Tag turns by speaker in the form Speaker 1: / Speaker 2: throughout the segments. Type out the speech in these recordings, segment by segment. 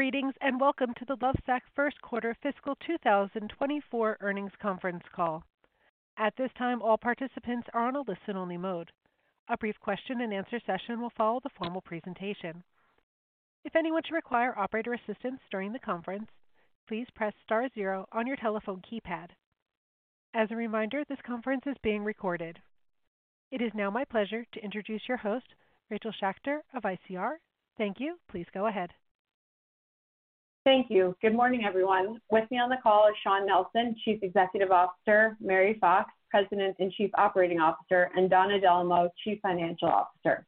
Speaker 1: Greetings, and welcome to the Lovesac First Quarter Fiscal 2024 Earnings Conference Call. At this time, all participants are on a listen-only mode. A brief question-and-answer session will follow the formal presentation. If anyone should require operator assistance during the conference, please press star zero on your telephone keypad. As a reminder, this conference is being recorded. It is now my pleasure to introduce your host, Rachel Schachter of ICR. Thank you. Please go ahead.
Speaker 2: Thank you. Good morning, everyone. With me on the call is Shawn Nelson, Chief Executive Officer, Mary Fox, President and Chief Operating Officer, and Donna Dellomo, Chief Financial Officer.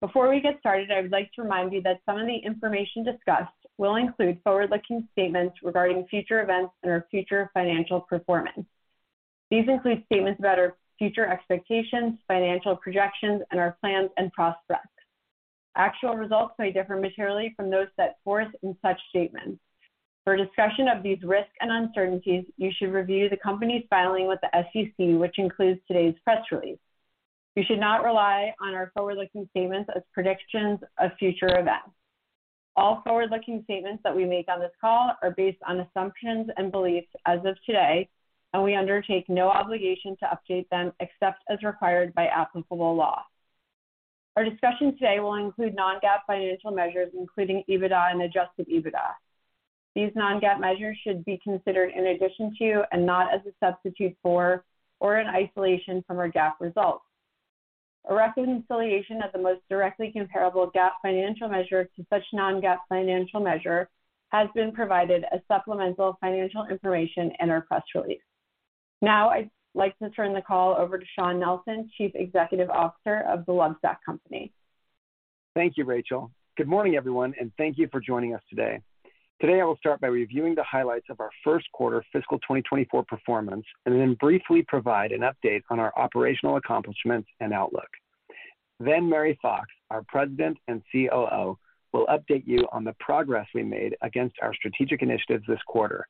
Speaker 2: Before we get started, I would like to remind you that some of the information discussed will include forward-looking statements regarding future events and our future financial performance. These include statements about our future expectations, financial projections, and our plans and prospects. Actual results may differ materially from those set forth in such statements. For a discussion of these risks and uncertainties, you should review the company's filing with the SEC, which includes today's press release. You should not rely on our forward-looking statements as predictions of future events. All forward-looking statements that we make on this call are based on assumptions and beliefs as of today. We undertake no obligation to update them except as required by applicable law. Our discussion today will include non-GAAP financial measures, including EBITDA and adjusted EBITDA. These non-GAAP measures should be considered in addition to, and not as a substitute for, or in isolation from, our GAAP results. A reconciliation of the most directly comparable GAAP financial measure to such non-GAAP financial measure has been provided as supplemental financial information in our press release. Now I'd like to turn the call over to Shawn Nelson, Chief Executive Officer of The Lovesac Company.
Speaker 3: Thank you, Rachel. Good morning, everyone, and thank you for joining us today. Today, I will start by reviewing the highlights of our first quarter fiscal 2024 performance and then briefly provide an update on our operational accomplishments and outlook. Mary Fox, our President and COO, will update you on the progress we made against our strategic initiatives this quarter.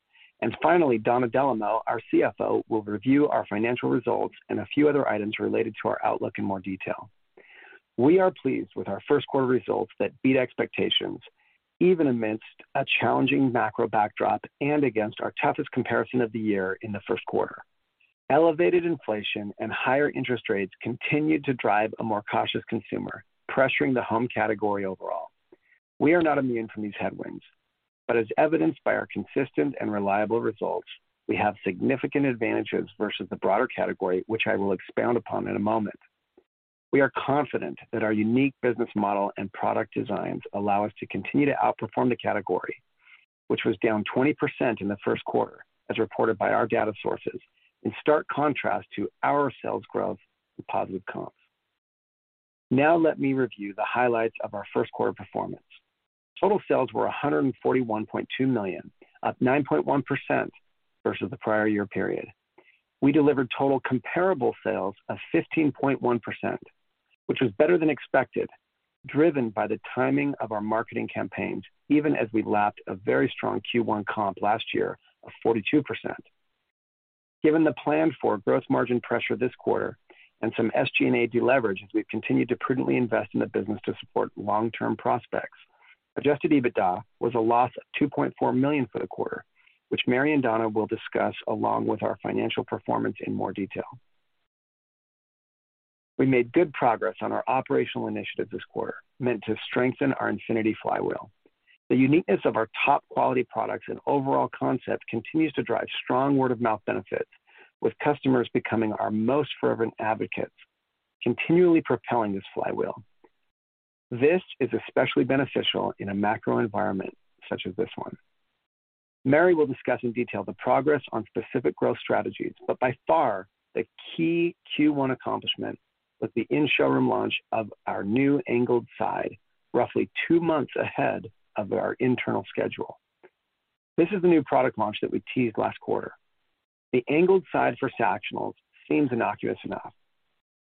Speaker 3: Finally, Donna Dellomo, our CFO, will review our financial results and a few other items related to our outlook in more detail. We are pleased with our first quarter results that beat expectations, even amidst a challenging macro backdrop and against our toughest comparison of the year in the first quarter. Elevated inflation and higher interest rates continued to drive a more cautious consumer, pressuring the home category overall. We are not immune from these headwinds, but as evidenced by our consistent and reliable results, we have significant advantages versus the broader category, which I will expound upon in a moment. We are confident that our unique business model and product designs allow us to continue to outperform the category, which was down 20% in the first quarter, as reported by our data sources, in stark contrast to our sales growth and positive comps. Let me review the highlights of our first quarter performance. Total sales were $141.2 million, up 9.1% versus the prior year period. We delivered total comparable sales of 15.1%, which was better than expected, driven by the timing of our marketing campaigns, even as we lapped a very strong Q1 comp last year of 42%. Given the planned-for growth margin pressure this quarter and some SG&A deleverage, as we've continued to prudently invest in the business to support long-term prospects, adjusted EBITDA was a loss of $2.4 million for the quarter, which Mary and Donna will discuss, along with our financial performance in more detail. We made good progress on our operational initiatives this quarter, meant to strengthen our infinity flywheel. The uniqueness of our top-quality products and overall concept continues to drive strong word-of-mouth benefits, with customers becoming our most fervent advocates, continually propelling this flywheel. This is especially beneficial in a macro environment such as this one. Mary will discuss in detail the progress on specific growth strategies. By far, the key Q1 accomplishment was the in-showroom launch of our new Angled Side, roughly two months ahead of our internal schedule. This is the new product launch that we teased last quarter. The Angled Side for Sactionals seems innocuous enough.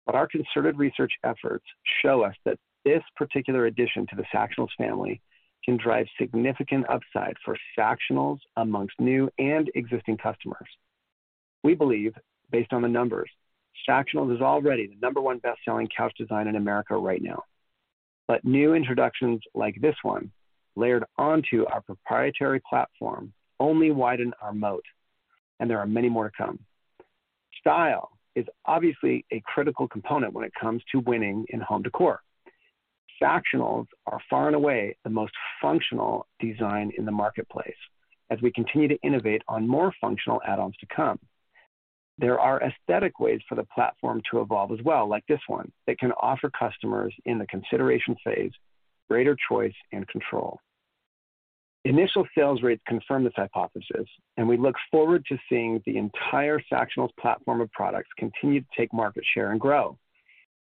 Speaker 3: Our concerted research efforts show us that this particular addition to the Sactionals family can drive significant upside for Sactionals amongst new and existing customers. We believe, based on the numbers, Sactionals is already the number one best-selling couch design in America right now. New introductions like this one, layered onto our proprietary platform, only widen our moat, and there are many more to come. Style is obviously a critical component when it comes to winning in home decor. Sactionals are far and away the most functional design in the marketplace as we continue to innovate on more functional add-ons to come. There are aesthetic ways for the platform to evolve as well, like this one, that can offer customers in the consideration phase greater choice and control. Initial sales rates confirm this hypothesis. We look forward to seeing the entire Sactionals platform of products continue to take market share and grow,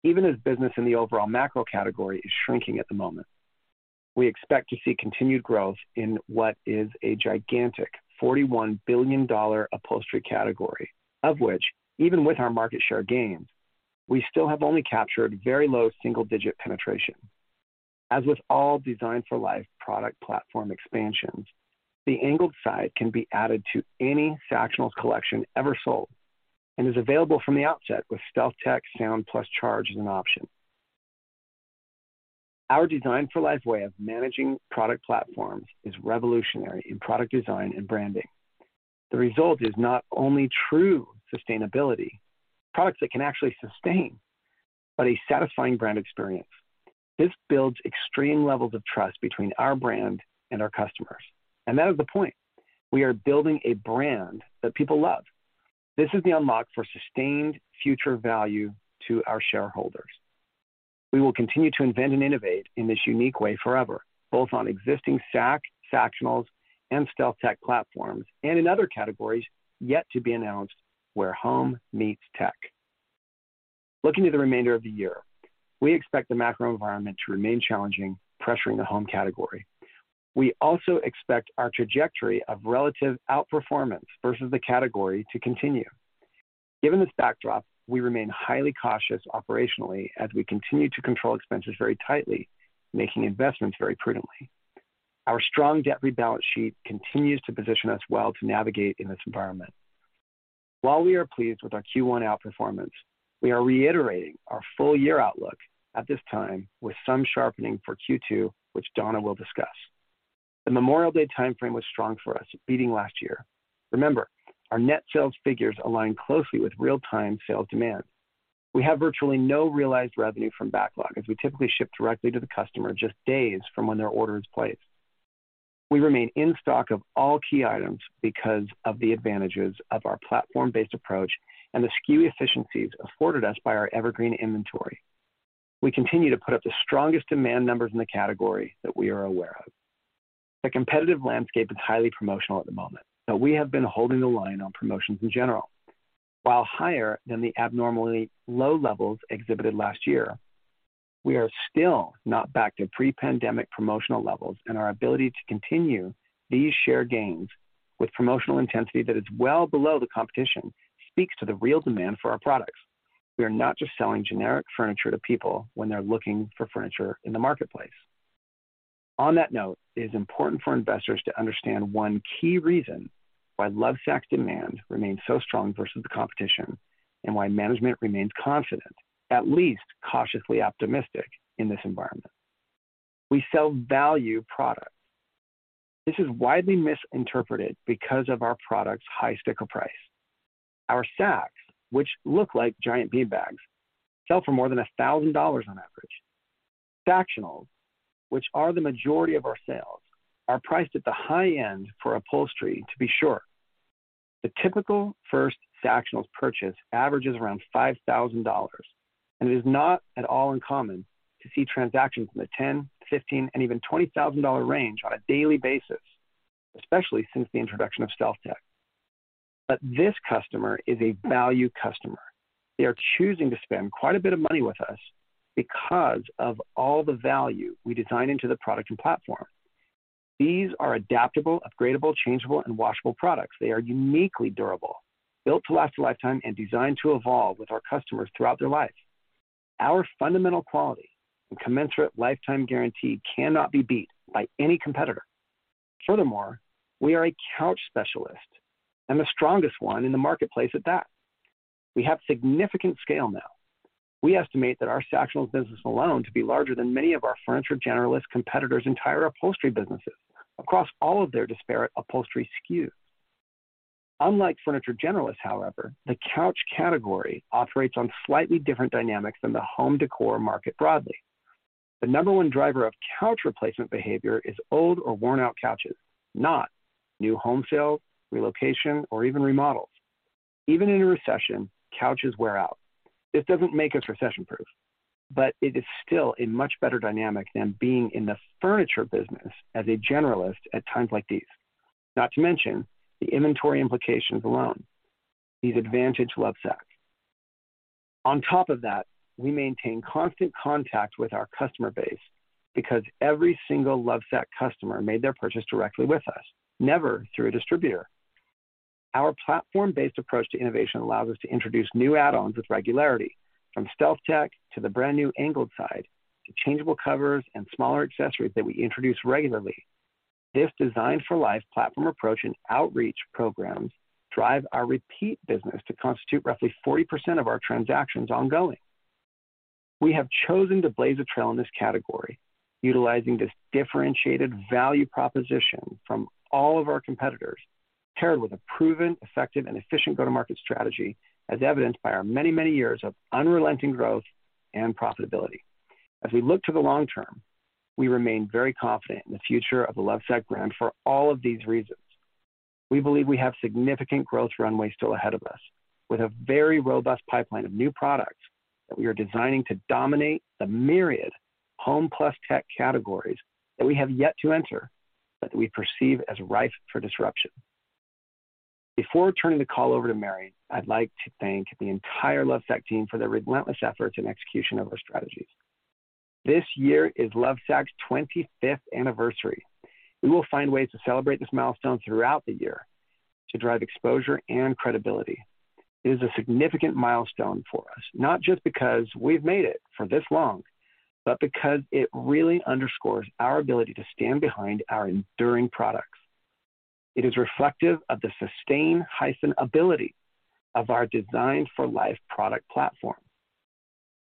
Speaker 3: even as business in the overall macro category is shrinking at the moment. We expect to see continued growth in what is a gigantic $41 billion upholstery category, of which, even with our market share gains, we still have only captured very low single-digit penetration. As with all Designed For Life product platform expansions, the Angled Side can be added to any Sactionals collection ever sold and is available from the outset with StealthTech Sound + Charge as an option. Our Designed For Life way of managing product platforms is revolutionary in product design and branding. The result is not only true sustainability, products that can actually sustain, but a satisfying brand experience. This builds extreme levels of trust between our brand and our customers. That is the point. We are building a brand that people love. This is the unlock for sustained future value to our shareholders. We will continue to invent and innovate in this unique way forever, both on existing Sac, Sactionals, and StealthTech platforms, and in other categories yet to be announced, where home meets tech. Looking to the remainder of the year, we expect the macro environment to remain challenging, pressuring the home category. We also expect our trajectory of relative outperformance versus the category to continue. Given this backdrop, we remain highly cautious operationally as we continue to control expenses very tightly, making investments very prudently. Our strong debt-free balance sheet continues to position us well to navigate in this environment. While we are pleased with our Q1 outperformance, we are reiterating our full year outlook at this time with some sharpening for Q2, which Donna will discuss. The Memorial Day time frame was strong for us, beating last year. Remember, our net sales figures align closely with real-time sales demand. We have virtually no realized revenue from backlog, as we typically ship directly to the customer just days from when their order is placed. We remain in stock of all key items because of the advantages of our platform-based approach and the SKU efficiencies afforded us by our evergreen inventory. We continue to put up the strongest demand numbers in the category that we are aware of. The competitive landscape is highly promotional at the moment, but we have been holding the line on promotions in general. While higher than the abnormally low levels exhibited last year, we are still not back to pre-pandemic promotional levels, and our ability to continue these share gains with promotional intensity that is well below the competition speaks to the real demand for our products. We are not just selling generic furniture to people when they're looking for furniture in the marketplace. On that note, it is important for investors to understand one key reason why Lovesac demand remains so strong versus the competition, and why management remains confident, at least cautiously optimistic, in this environment. We sell value products. This is widely misinterpreted because of our product's high sticker price. Our Sacs, which look like giant beanbags, sell for more than $1,000 on average. Sactionals, which are the majority of our sales, are priced at the high end for upholstery to be sure. The typical first Sactionals purchase averages around $5,000, and it is not at all uncommon to see transactions in the $10,000, $15,000, and even $20,000 range on a daily basis, especially since the introduction of StealthTech. This customer is a value customer. They are choosing to spend quite a bit of money with us because of all the value we design into the product and platform. These are adaptable, upgradable, changeable, and washable products. They are uniquely durable, built to last a lifetime and designed to evolve with our customers throughout their life. Our fundamental quality and commensurate lifetime guarantee cannot be beat by any competitor. Furthermore, we are a couch specialist, and the strongest one in the marketplace at that. We have significant scale now. We estimate that our Sactionals business alone to be larger than many of our furniture generalist competitors' entire upholstery businesses across all of their disparate upholstery SKUs. Unlike furniture generalists, however, the couch category operates on slightly different dynamics than the home decor market broadly. The number one driver of couch replacement behavior is old or worn-out couches, not new home sales, relocation, or even remodels. Even in a recession, couches wear out. This doesn't make us recession-proof, but it is still a much better dynamic than being in the furniture business as a generalist at times like these, not to mention the inventory implications alone. These advantage Lovesac. On top of that, we maintain constant contact with our customer base because every single Lovesac customer made their purchase directly with us, never through a distributor. Our platform-based approach to innovation allows us to introduce new add-ons with regularity, from StealthTech to the brand new Angled Side, to changeable covers and smaller accessories that we introduce regularly. This Designed For Life platform approach and outreach programs drive our repeat business to constitute roughly 40% of our transactions ongoing. We have chosen to blaze a trail in this category, utilizing this differentiated value proposition from all of our competitors, paired with a proven, effective, and efficient go-to-market strategy, as evidenced by our many, many years of unrelenting growth and profitability. As we look to the long term, we remain very confident in the future of the Lovesac brand for all of these reasons. We believe we have significant growth runway still ahead of us, with a very robust pipeline of new products that we are designing to dominate the myriad home plus tech categories that we have yet to enter, but that we perceive as ripe for disruption. Before turning the call over to Mary, I'd like to thank the entire Lovesac team for their relentless efforts and execution of our strategies. This year is Lovesac's 25th anniversary. We will find ways to celebrate this milestone throughout the year to drive exposure and credibility. It is a significant milestone for us, not just because we've made it for this long, but because it really underscores our ability to stand behind our enduring products. It is reflective of the sustainability of our Designed For Life product platform.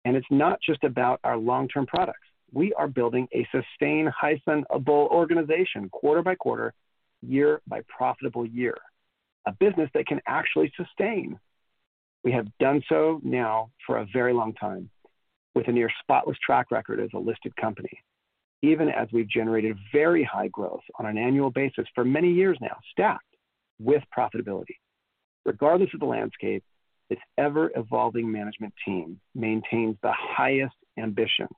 Speaker 3: It's not just about our long-term products. We are building a sustainable organization quarter by quarter, year by profitable year, a business that can actually sustain. We have done so now for a very long time, with a near spotless track record as a listed company, even as we've generated very high growth on an annual basis for many years now, stacked with profitability. Regardless of the landscape, this ever-evolving management team maintains the highest ambitions.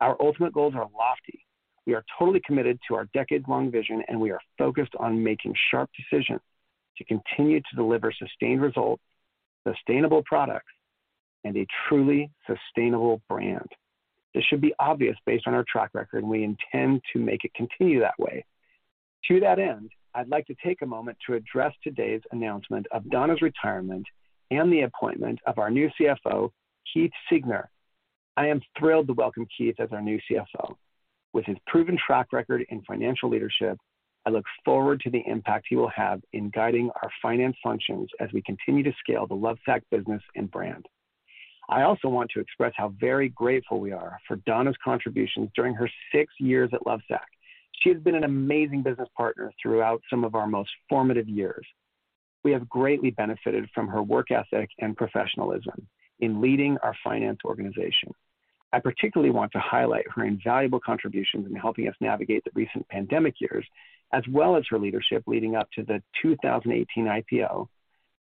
Speaker 3: Our ultimate goals are lofty. We are totally committed to our decade-long vision, and we are focused on making sharp decisions to continue to deliver sustained results, sustainable products, and a truly sustainable brand. This should be obvious based on our track record, and we intend to make it continue that way. To that end, I'd like to take a moment to address today's announcement of Donna's retirement and the appointment of our new CFO, Keith Siegner. I am thrilled to welcome Keith as our new CFO. With his proven track record in financial leadership, I look forward to the impact he will have in guiding our finance functions as we continue to scale the Lovesac business and brand. I also want to express how very grateful we are for Donna's contributions during her six years at Lovesac. She has been an amazing business partner throughout some of our most formative years. We have greatly benefited from her work ethic and professionalism in leading our finance organization. I particularly want to highlight her invaluable contributions in helping us navigate the recent pandemic years, as well as her leadership leading up to the 2018 IPO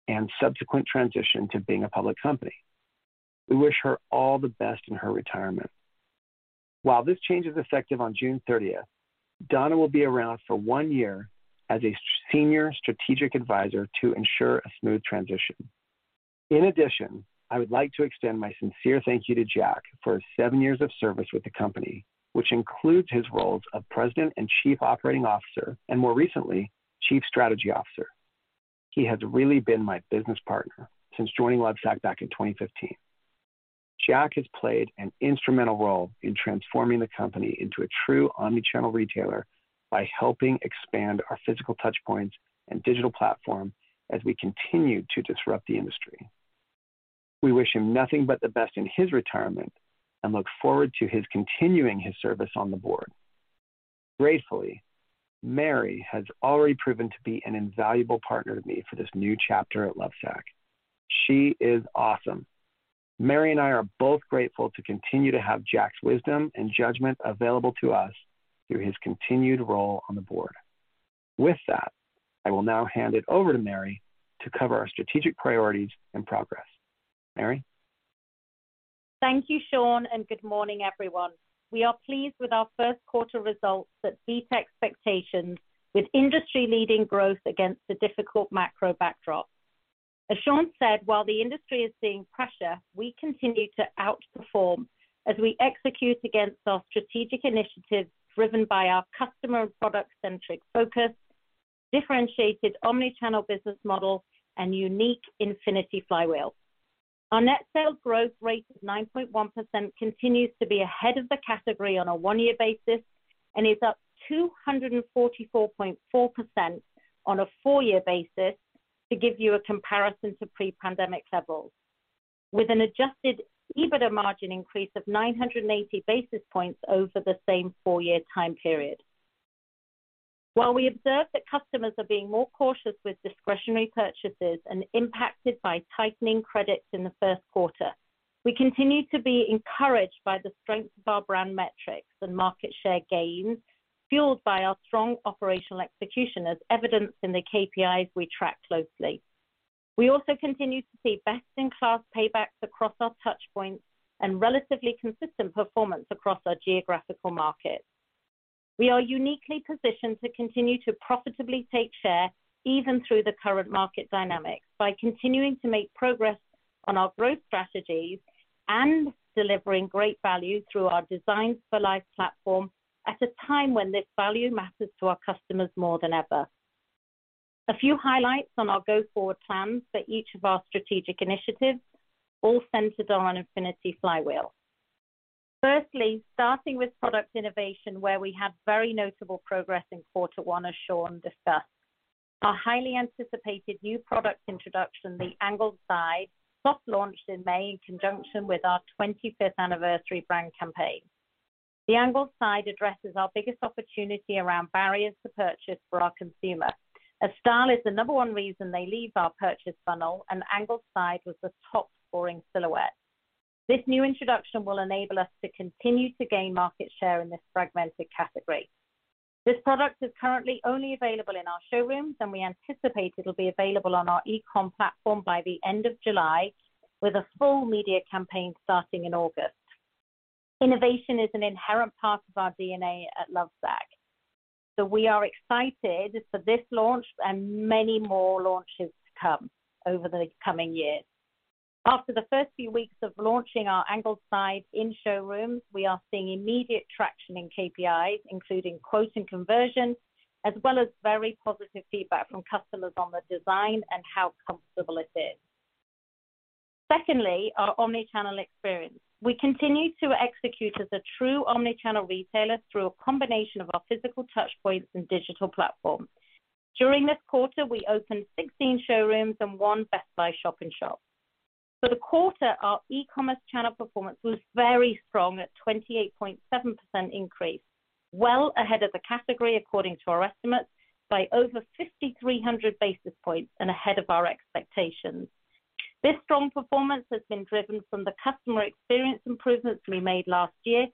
Speaker 3: and subsequent transition to being a public company. We wish her all the best in her retirement. While this change is effective on June 30th, Donna will be around for one year as a Senior Strategic Advisor to ensure a smooth transition. In addition, I would like to extend my sincere thank you to Jack for his seven years of service with the company, which includes his roles of President and Chief Operating Officer and more recently, Chief Strategy Officer. He has really been my business partner since joining Lovesac back in 2015. Jack has played an instrumental role in transforming the company into a true omnichannel retailer by helping expand our physical touch points and digital platform as we continue to disrupt the industry. We wish him nothing but the best in his retirement and look forward to his continuing his service on the board. Gratefully, Mary has already proven to be an invaluable partner to me for this new chapter at Lovesac. She is awesome. Mary and I are both grateful to continue to have Jack's wisdom and judgment available to us through his continued role on the board. With that, I will now hand it over to Mary to cover our strategic priorities and progress. Mary?
Speaker 4: Thank you, Shawn, and good morning, everyone. We are pleased with our first quarter results that beat expectations with industry-leading growth against a difficult macro backdrop. As Shawn said, while the industry is seeing pressure, we continue to outperform as we execute against our strategic initiatives, driven by our customer and product-centric focus, differentiated omnichannel business model, and unique infinity flywheel. Our net sales growth rate of 9.1% continues to be ahead of the category on a 1-year basis and is up 244.4% on a 4-year basis, to give you a comparison to pre-pandemic levels. With an adjusted EBITDA margin increase of 980 basis points over the same 4-year time period. While we observe that customers are being more cautious with discretionary purchases and impacted by tightening credits in the 1st quarter, we continue to be encouraged by the strength of our brand metrics and market share gains, fueled by our strong operational execution, as evidenced in the KPIs we track closely. We also continue to see best-in-class paybacks across our touch points and relatively consistent performance across our geographical markets. We are uniquely positioned to continue to profitably take share, even through the current market dynamics, by continuing to make progress on our growth strategies and delivering great value through our Designed For Life platform at a time when this value matters to our customers more than ever. A few highlights on our go-forward plans for each of our strategic initiatives, all centered on infinity flywheel. Firstly, starting with product innovation, where we had very notable progress in quarter one, as Shawn discussed. Our highly anticipated new product introduction, the Angled Side, soft launched in May in conjunction with our 25th anniversary brand campaign. The Angled Side addresses our biggest opportunity around barriers to purchase for our consumer. As style is the number one reason they leave our purchase funnel, and Angled Side was the top-scoring silhouette. This new introduction will enable us to continue to gain market share in this fragmented category. This product is currently only available in our showrooms, and we anticipate it'll be available on our e-com platform by the end of July, with a full media campaign starting in August. Innovation is an inherent part of our DNA at Lovesac, so we are excited for this launch and many more launches to come over the coming years. After the first few weeks of launching our Angled Side in showrooms, we are seeing immediate traction in KPIs, including quotes and conversions, as well as very positive feedback from customers on the design and how comfortable it is. Secondly, our omni-channel experience. We continue to execute as a true omni-channel retailer through a combination of our physical touchpoints and digital platforms. During this quarter, we opened 16 showrooms and one Best Buy shop-in-shop. For the quarter, our e-commerce channel performance was very strong at 28.7% increase, well ahead of the category, according to our estimates, by over 5,300 basis points and ahead of our expectations. This strong performance has been driven from the customer experience improvements we made last year,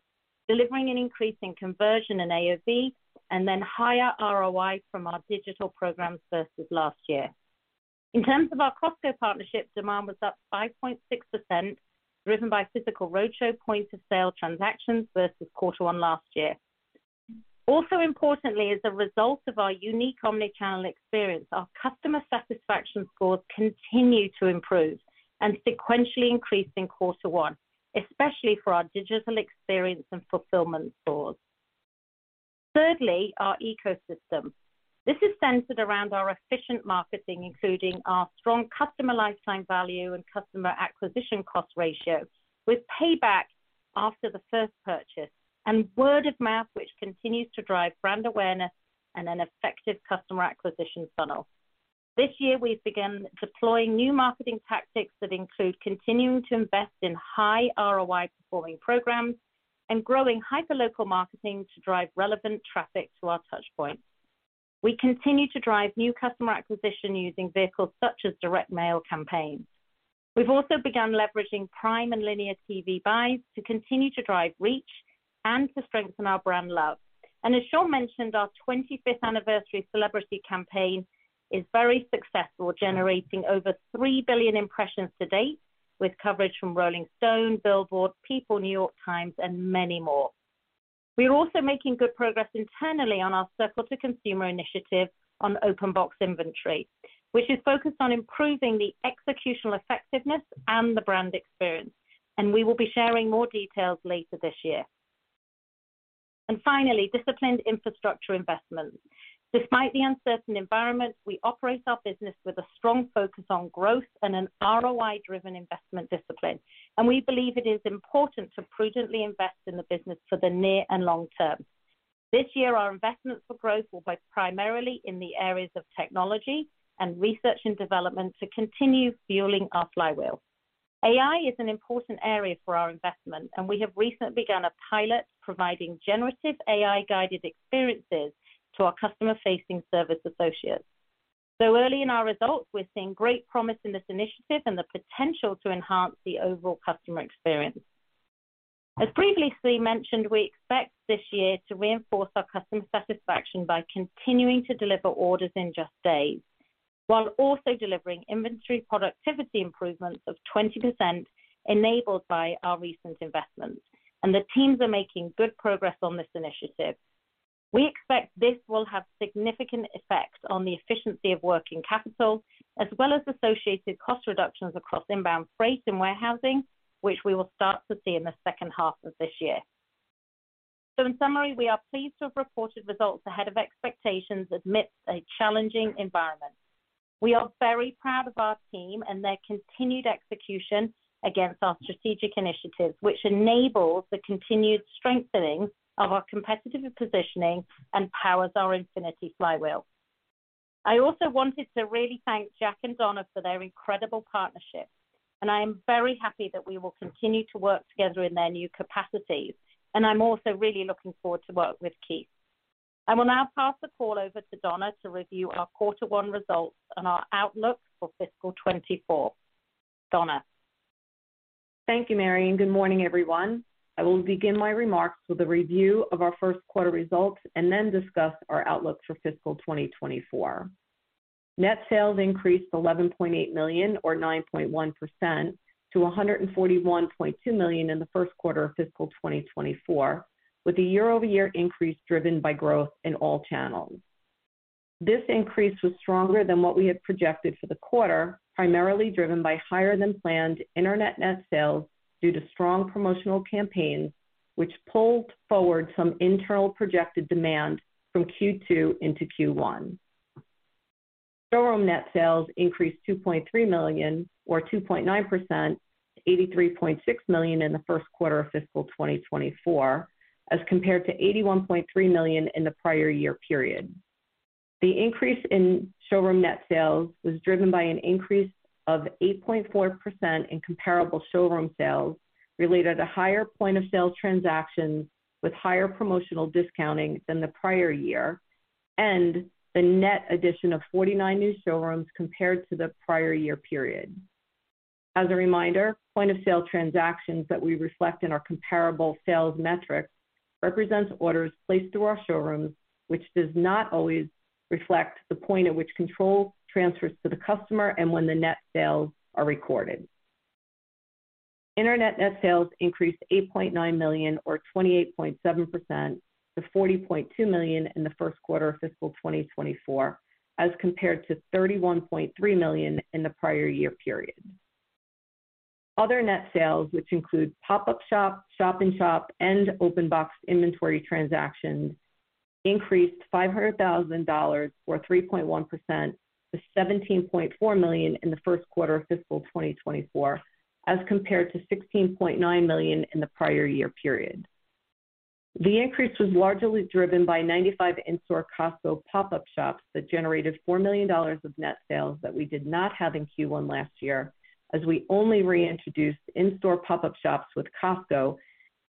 Speaker 4: delivering an increase in conversion and AOV, and then higher ROI from our digital programs versus last year. In terms of our Costco partnership, demand was up 5.6%, driven by physical roadshow point-of-sale transactions versus quarter one last year. Also importantly, as a result of our unique omni-channel experience, our customer satisfaction scores continue to improve and sequentially increased in quarter one, especially for our digital experience and fulfillment scores. Thirdly, our ecosystem. This is centered around our efficient marketing, including our strong customer lifetime value and customer acquisition cost ratio, with payback after the first purchase, and word of mouth, which continues to drive brand awareness and an effective customer acquisition funnel. This year, we've begun deploying new marketing tactics that include continuing to invest in high ROI-performing programs and growing hyperlocal marketing to drive relevant traffic to our touchpoints. We continue to drive new customer acquisition using vehicles such as direct mail campaigns. We've also begun leveraging prime and linear TV buys to continue to drive reach and to strengthen our brand love. As Shawn mentioned, our 25th anniversary celebrity campaign is very successful, generating over $3 billion impressions to date, with coverage from Rolling Stone, Billboard, People, New York Times, and many more. We are also making good progress internally on our Circle to Consumer initiative on open box inventory, which is focused on improving the executional effectiveness and the brand experience, and we will be sharing more details later this year. Finally, disciplined infrastructure investments. Despite the uncertain environment, we operate our business with a strong focus on growth and an ROI-driven investment discipline, and we believe it is important to prudently invest in the business for the near and long term. This year, our investments for growth will be primarily in the areas of technology and research and development to continue fueling our flywheel. AI is an important area for our investment, and we have recently begun a pilot providing generative AI-guided experiences to our customer-facing service associates. Early in our results, we're seeing great promise in this initiative and the potential to enhance the overall customer experience. As briefly mentioned, we expect this year to reinforce our customer satisfaction by continuing to deliver orders in just days, while also delivering inventory productivity improvements of 20%, enabled by our recent investments, and the teams are making good progress on this initiative. We expect this will have significant effects on the efficiency of working capital, as well as associated cost reductions across inbound freight and warehousing, which we will start to see in the second half of this year. In summary, we are pleased to have reported results ahead of expectations amidst a challenging environment. We are very proud of our team and their continued execution against our strategic initiatives, which enables the continued strengthening of our competitive positioning and powers our infinity flywheel. I also wanted to really thank Jack and Donna for their incredible partnership, and I am very happy that we will continue to work together in their new capacities, and I'm also really looking forward to working with Keith. I will now pass the call over to Donna to review our Q1 results and our outlook for fiscal 2024. Donna?
Speaker 5: Thank you, Mary. Good morning, everyone. I will begin my remarks with a review of our first quarter results and then discuss our outlook for fiscal 2024. Net sales increased $11.8 million, or 9.1% to $141.2 million in the first quarter of fiscal 2024, with a year-over-year increase driven by growth in all channels. This increase was stronger than what we had projected for the quarter, primarily driven by higher-than-planned internet net sales due to strong promotional campaigns, which pulled forward some internal projected demand from Q2 into Q1. Showroom net sales increased $2.3 million, or 2.9% to $83.6 million in the first quarter of fiscal 2024, as compared to $81.3 million in the prior year period. The increase in showroom net sales was driven by an increase of 8.4% in comparable showroom sales, related to higher point-of-sale transactions with higher promotional discounting than the prior year, and the net addition of 49 new showrooms compared to the prior year period. As a reminder, point-of-sale transactions that we reflect in our comparable sales metric represents orders placed through our showrooms, which does not always reflect the point at which control transfers to the customer and when the net sales are recorded. Internet net sales increased $8.9 million, or 28.7% to $40.2 million in the first quarter of fiscal 2024, as compared to $31.3 million in the prior year period. Other net sales, which include pop-up shop-in-shop, and open box inventory transactions. Increased $500,000 or 3.1% to $17.4 million in the first quarter of fiscal 2024, as compared to $16.9 million in the prior year period. The increase was largely driven by 95 in-store Costco pop-up shops that generated $4 million of net sales that we did not have in Q1 last year, as we only reintroduced in-store pop-up shops with Costco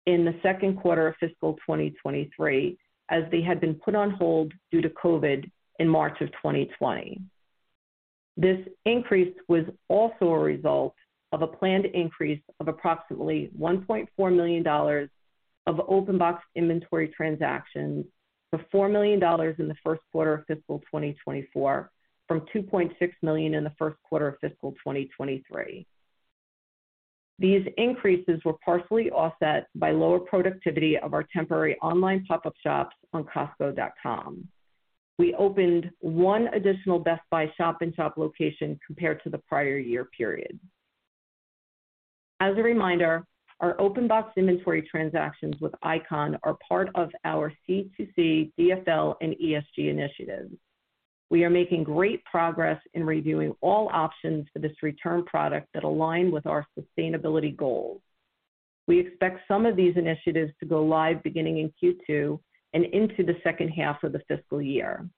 Speaker 5: in the second quarter of fiscal 2023, as they had been put on hold due to COVID in March of 2020. This increase was also a result of a planned increase of approximately $1.4 million of open box inventory transactions for $4 million in the first quarter of fiscal 2024, from $2.6 million in the first quarter of fiscal 2023. These increases were partially offset by lower productivity of our temporary online pop-up shops on costco.com. We opened one additional Best Buy shop and shop location compared to the prior year period. As a reminder, our open box inventory transactions with Icon are part of our C2C, DFL, and ESG initiatives. We are making great progress in reviewing all options for this return product that align with our sustainability goals. We expect some of these initiatives to go live beginning in Q2 and into the second half of the fiscal year.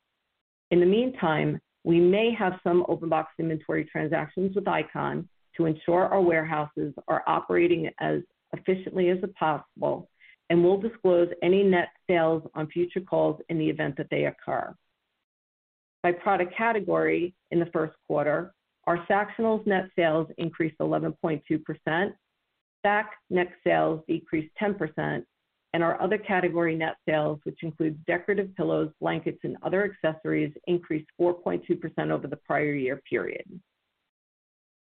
Speaker 5: In the meantime, we may have some open box inventory transactions with Icon to ensure our warehouses are operating as efficiently as possible, and we'll disclose any net sales on future calls in the event that they occur. By product category, in the first quarter, our Sactionals net sales increased 11.2%, Sac net sales decreased 10%, and our other category net sales, which includes decorative pillows, blankets, and other accessories, increased 4.2% over the prior year period.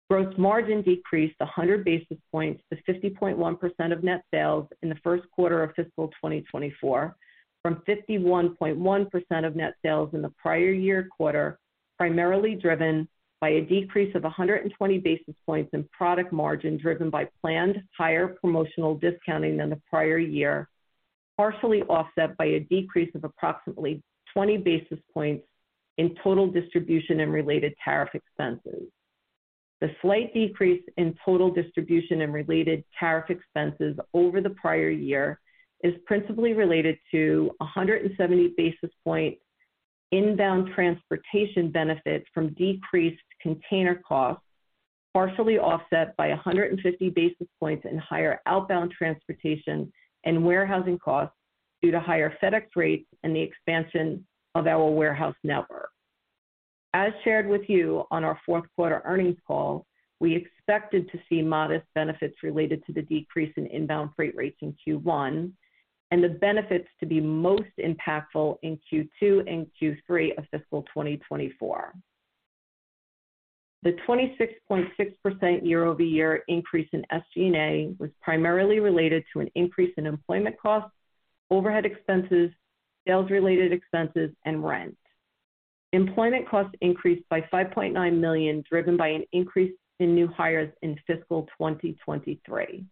Speaker 5: Gross margin decreased 100 basis points to 50.1% of net sales in the first quarter of fiscal 2024, from 51.1% of net sales in the prior year quarter, primarily driven by a decrease of 120 basis points in product margin, driven by planned higher promotional discounting than the prior year, partially offset by a decrease of approximately 20 basis points in total distribution and related tariff expenses. The slight decrease in total distribution and related tariff expenses over the prior year is principally related to 170 basis points inbound transportation benefits from decreased container costs, partially offset by 150 basis points in higher outbound transportation and warehousing costs due to higher FedEx rates and the expansion of our warehouse network. As shared with you on our fourth quarter earnings call, we expected to see modest benefits related to the decrease in inbound freight rates in Q1, and the benefits to be most impactful in Q2 and Q3 of fiscal 2024. The 26.6% year-over-year increase in SG&A was primarily related to an increase in employment costs, overhead expenses, sales-related expenses, and rent. Employment costs increased by $5.9 million, driven by an increase in new hires in fiscal 2023.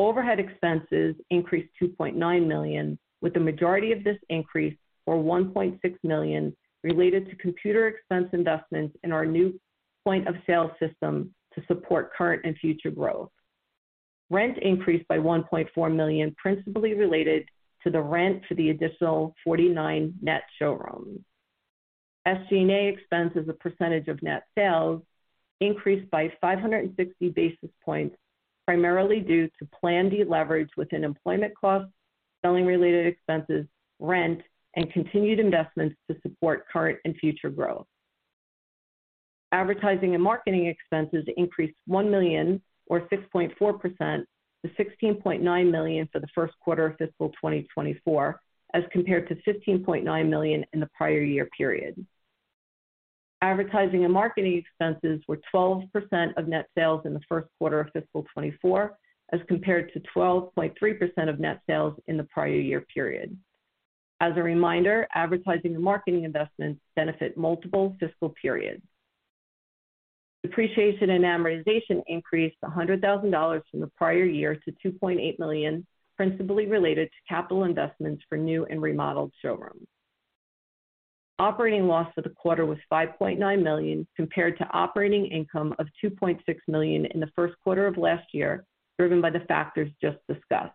Speaker 5: Overhead expenses increased $2.9 million, with the majority of this increase, or $1.6 million, related to computer expense investments in our new point of sale system to support current and future growth. Rent increased by $1.4 million, principally related to the rent to the additional 49 net showrooms. SG&A expense as a percentage of net sales increased by 560 basis points, primarily due to planned deleverage within employment costs, selling-related expenses, rent, and continued investments to support current and future growth. Advertising and marketing expenses increased $1 million, or 6.4%, to $16.9 million for the first quarter of fiscal 2024, as compared to $15.9 million in the prior year period. Advertising and marketing expenses were 12% of net sales in the first quarter of fiscal 2024, as compared to 12.3% of net sales in the prior year period. As a reminder, advertising and marketing investments benefit multiple fiscal periods. Depreciation and amortization increased $100,000 from the prior year to $2.8 million, principally related to capital investments for new and remodeled showrooms. Operating loss for the quarter was $5.9 million, compared to operating income of $2.6 million in the first quarter of last year, driven by the factors just discussed.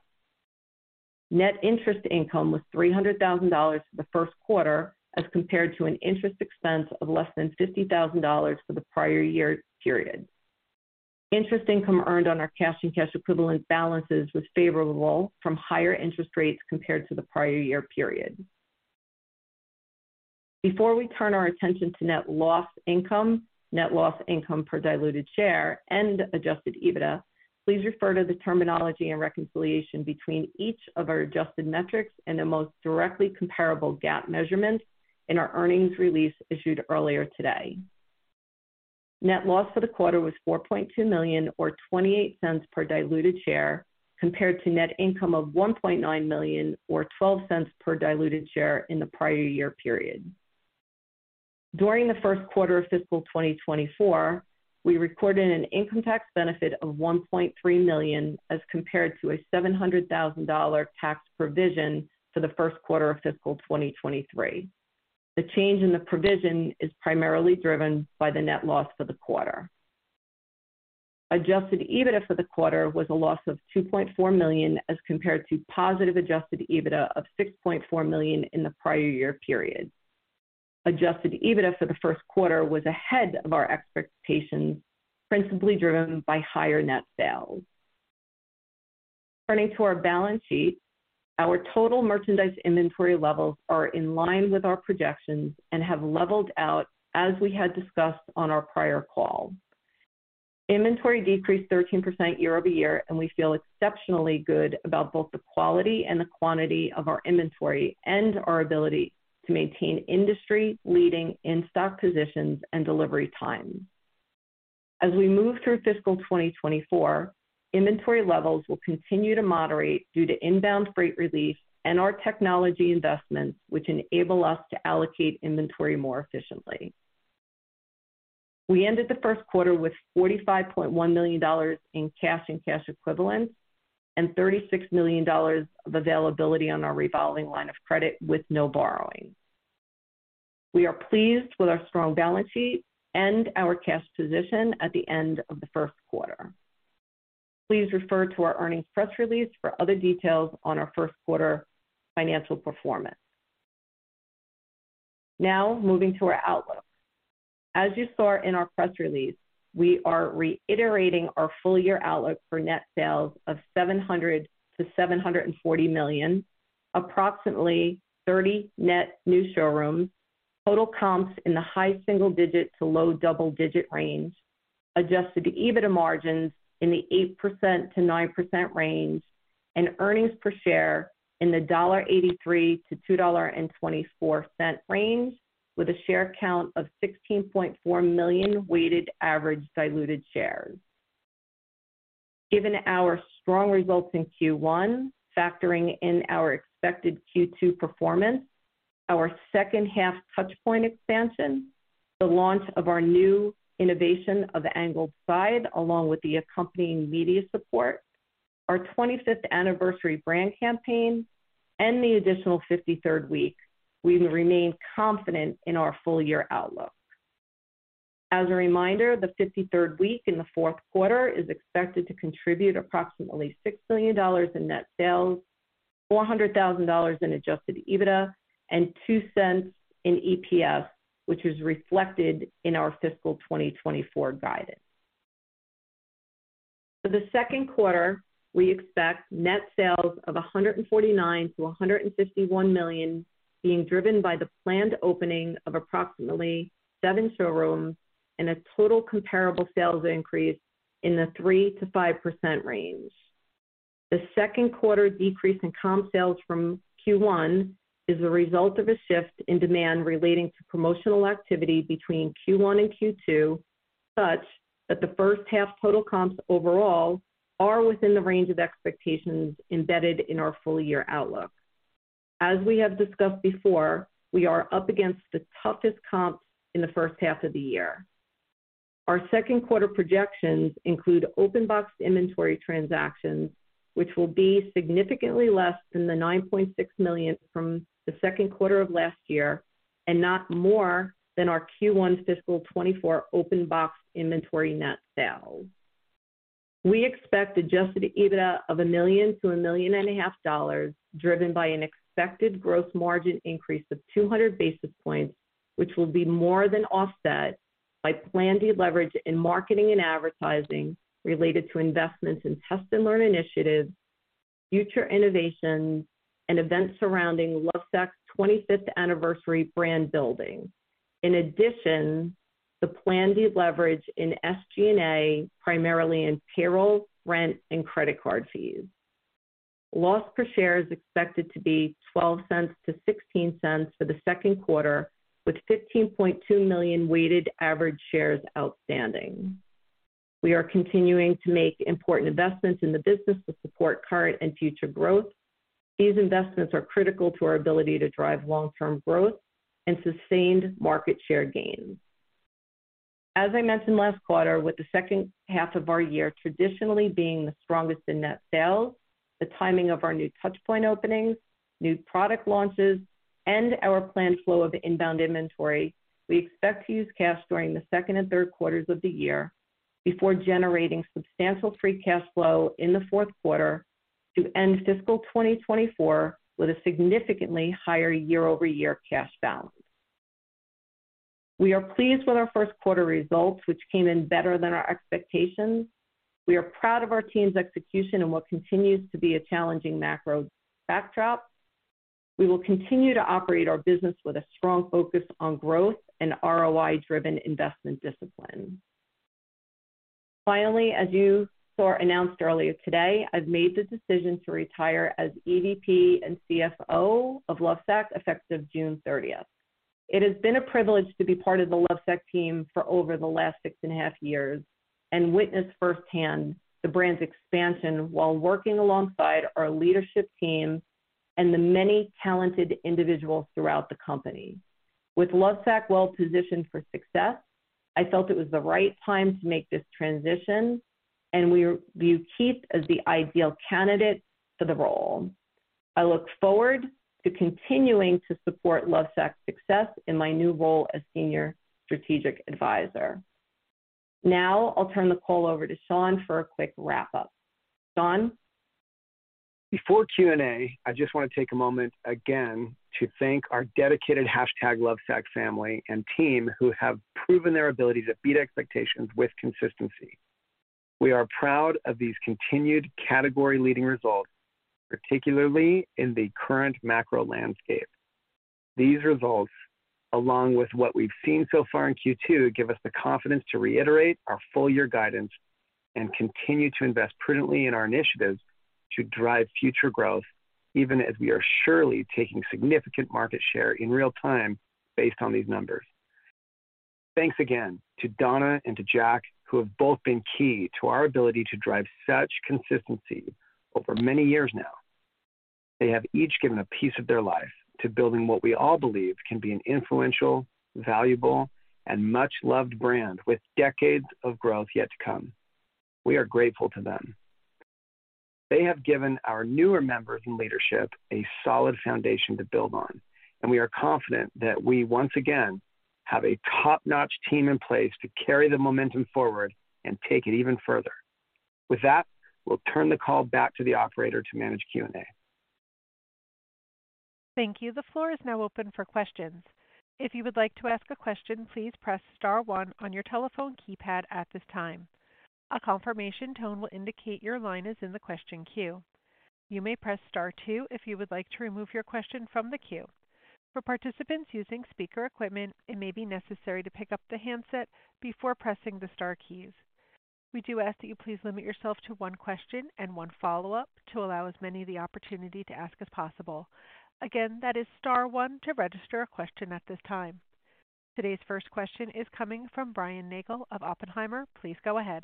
Speaker 5: Net interest income was $300,000 for the first quarter, as compared to an interest expense of less than $50,000 for the prior year period. Interest income earned on our cash and cash equivalent balances was favorable from higher interest rates compared to the prior year period. Before we turn our attention to net loss income, net loss income per diluted share, and adjusted EBITDA, please refer to the terminology and reconciliation between each of our adjusted metrics and the most directly comparable GAAP measurements in our earnings release issued earlier today. Net loss for the quarter was $4.2 million, or $0.28 per diluted share, compared to net income of $1.9 million, or $0.12 per diluted share in the prior year period. During the first quarter of fiscal 2024, we recorded an income tax benefit of $1.3 million, as compared to a $700,000 tax provision for the first quarter of fiscal 2023. The change in the provision is primarily driven by the net loss for the quarter. Adjusted EBITDA for the quarter was a loss of $2.4 million, as compared to positive adjusted EBITDA of $6.4 million in the prior year period. Adjusted EBITDA for the first quarter was ahead of our expectations, principally driven by higher net sales. Turning to our balance sheet, our total merchandise inventory levels are in line with our projections and have leveled out as we had discussed on our prior call. Inventory decreased 13% year-over-year, and we feel exceptionally good about both the quality and the quantity of our inventory, and our ability to maintain industry-leading in-stock positions and delivery times. As we move through fiscal 2024, inventory levels will continue to moderate due to inbound freight relief and our technology investments, which enable us to allocate inventory more efficiently. We ended the first quarter with $45.1 million in cash and cash equivalents, and $36 million of availability on our revolving line of credit with no borrowing. We are pleased with our strong balance sheet and our cash position at the end of the first quarter. Please refer to our earnings press release for other details on our first quarter financial performance. Now, moving to our outlook. As you saw in our press release, we are reiterating our full-year outlook for net sales of $700 million-$740 million, approximately 30 net new showrooms, total comps in the high single digit to low double-digit range, adjusted EBITDA margins in the 8%-9% range, and earnings per share in the $1.83-$2.24 range, with a share count of 16.4 million weighted average diluted shares. Given our strong results in Q1, factoring in our expected Q2 performance, our second half touchpoint expansion, the launch of our new innovation of Angled Side, along with the accompanying media support, our 25th anniversary brand campaign, and the additional 53rd week, we remain confident in our full-year outlook. As a reminder, the 53rd week in the fourth quarter is expected to contribute approximately $6 million in net sales, $400,000 in adjusted EBITDA, and $0.02 in EPS, which is reflected in our fiscal 2024 guidance. For the second quarter, we expect net sales of $149 million-$151 million, being driven by the planned opening of approximately seven showrooms and a total comparable sales increase in the 3%-5% range. The second quarter decrease in comp sales from Q1 is a result of a shift in demand relating to promotional activity between Q1 and Q2, such that the first half total comps overall are within the range of expectations embedded in our full-year outlook. As we have discussed before, we are up against the toughest comps in the first half of the year. Our second quarter projections include open box inventory transactions, which will be significantly less than the $9.6 million from the second quarter of last year, and not more than our Q1 fiscal 2024 open box inventory net sales. We expect adjusted EBITDA of $1 million-$1.5 million, driven by an expected gross margin increase of 200 basis points, which will be more than offset by planned deleverage in marketing and advertising related to investments in test and learn initiatives, future innovations, and events surrounding Lovesac's 25th anniversary brand building. In addition, the planned deleverage in SG&A, primarily in payroll, rent, and credit card fees. Loss per share is expected to be $0.12-$0.16 for the second quarter, with 15.2 million weighted average shares outstanding. We are continuing to make important investments in the business to support current and future growth. These investments are critical to our ability to drive long-term growth and sustained market share gains. As I mentioned last quarter, with the second half of our year traditionally being the strongest in net sales, the timing of our new touchpoint openings, new product launches, and our planned flow of inbound inventory, we expect to use cash during the second and third quarters of the year before generating substantial free cash flow in the fourth quarter to end fiscal 2024 with a significantly higher year-over-year cash balance. We are pleased with our first quarter results, which came in better than our expectations. We are proud of our team's execution in what continues to be a challenging macro backdrop. We will continue to operate our business with a strong focus on growth and ROI-driven investment discipline. As you saw announced earlier today, I've made the decision to retire as EVP and CFO of Lovesac, effective June 30th. It has been a privilege to be part of the Lovesac team for over the last six and a half years, and witness firsthand the brand's expansion while working alongside our leadership team and the many talented individuals throughout the company. With Lovesac well-positioned for success, I felt it was the right time to make this transition, and we view Keith as the ideal candidate for the role. I look forward to continuing to support Lovesac's success in my new role as Senior Strategic Advisor. I'll turn the call over to Shawn for a quick wrap-up. Shawn?
Speaker 3: Before Q&A, I just want to take a moment again to thank our dedicated hashtag Lovesac family and team, who have proven their ability to beat expectations with consistency. We are proud of these continued category-leading results, particularly in the current macro landscape. These results, along with what we've seen so far in Q2, give us the confidence to reiterate our full-year guidance and continue to invest prudently in our initiatives to drive future growth, even as we are surely taking significant market share in real time based on these numbers. Thanks again to Donna and to Jack, who have both been key to our ability to drive such consistency over many years now. They have each given a piece of their life to building what we all believe can be an influential, valuable, and much-loved brand with decades of growth yet to come. We are grateful to them. They have given our newer members in leadership a solid foundation to build on, and we are confident that we once again have a top-notch team in place to carry the momentum forward and take it even further. With that, we'll turn the call back to the operator to manage Q&A.
Speaker 1: Thank you. The floor is now open for questions. If you would like to ask a question, please press star one on your telephone keypad at this time. A confirmation tone will indicate your line is in the question queue. You may press star two if you would like to remove your question from the queue. For participants using speaker equipment, it may be necessary to pick up the handset before pressing the star keys. We do ask that you please limit yourself to one question and one follow-up to allow as many the opportunity to ask as possible. Again, that is star one to register a question at this time. Today's first question is coming from Brian Nagel of Oppenheimer. Please go ahead.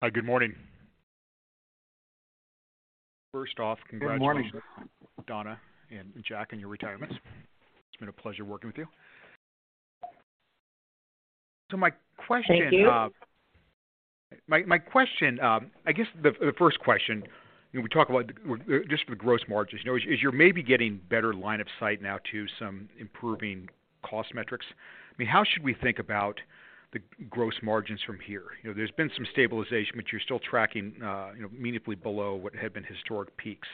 Speaker 6: Hi, good morning. First off, congratulations.
Speaker 3: Good morning.
Speaker 6: Donna and Jack, on your retirement. It's been a pleasure working with you. My question.
Speaker 5: Thank you.
Speaker 6: My question, I guess the first question, when we talk about just the gross margins, you know, as you're maybe getting better line of sight now to some improving cost metrics, I mean, how should we think about the gross margins from here? You know, there's been some stabilization, but you're still tracking, you know, meaningfully below what had been historic peaks.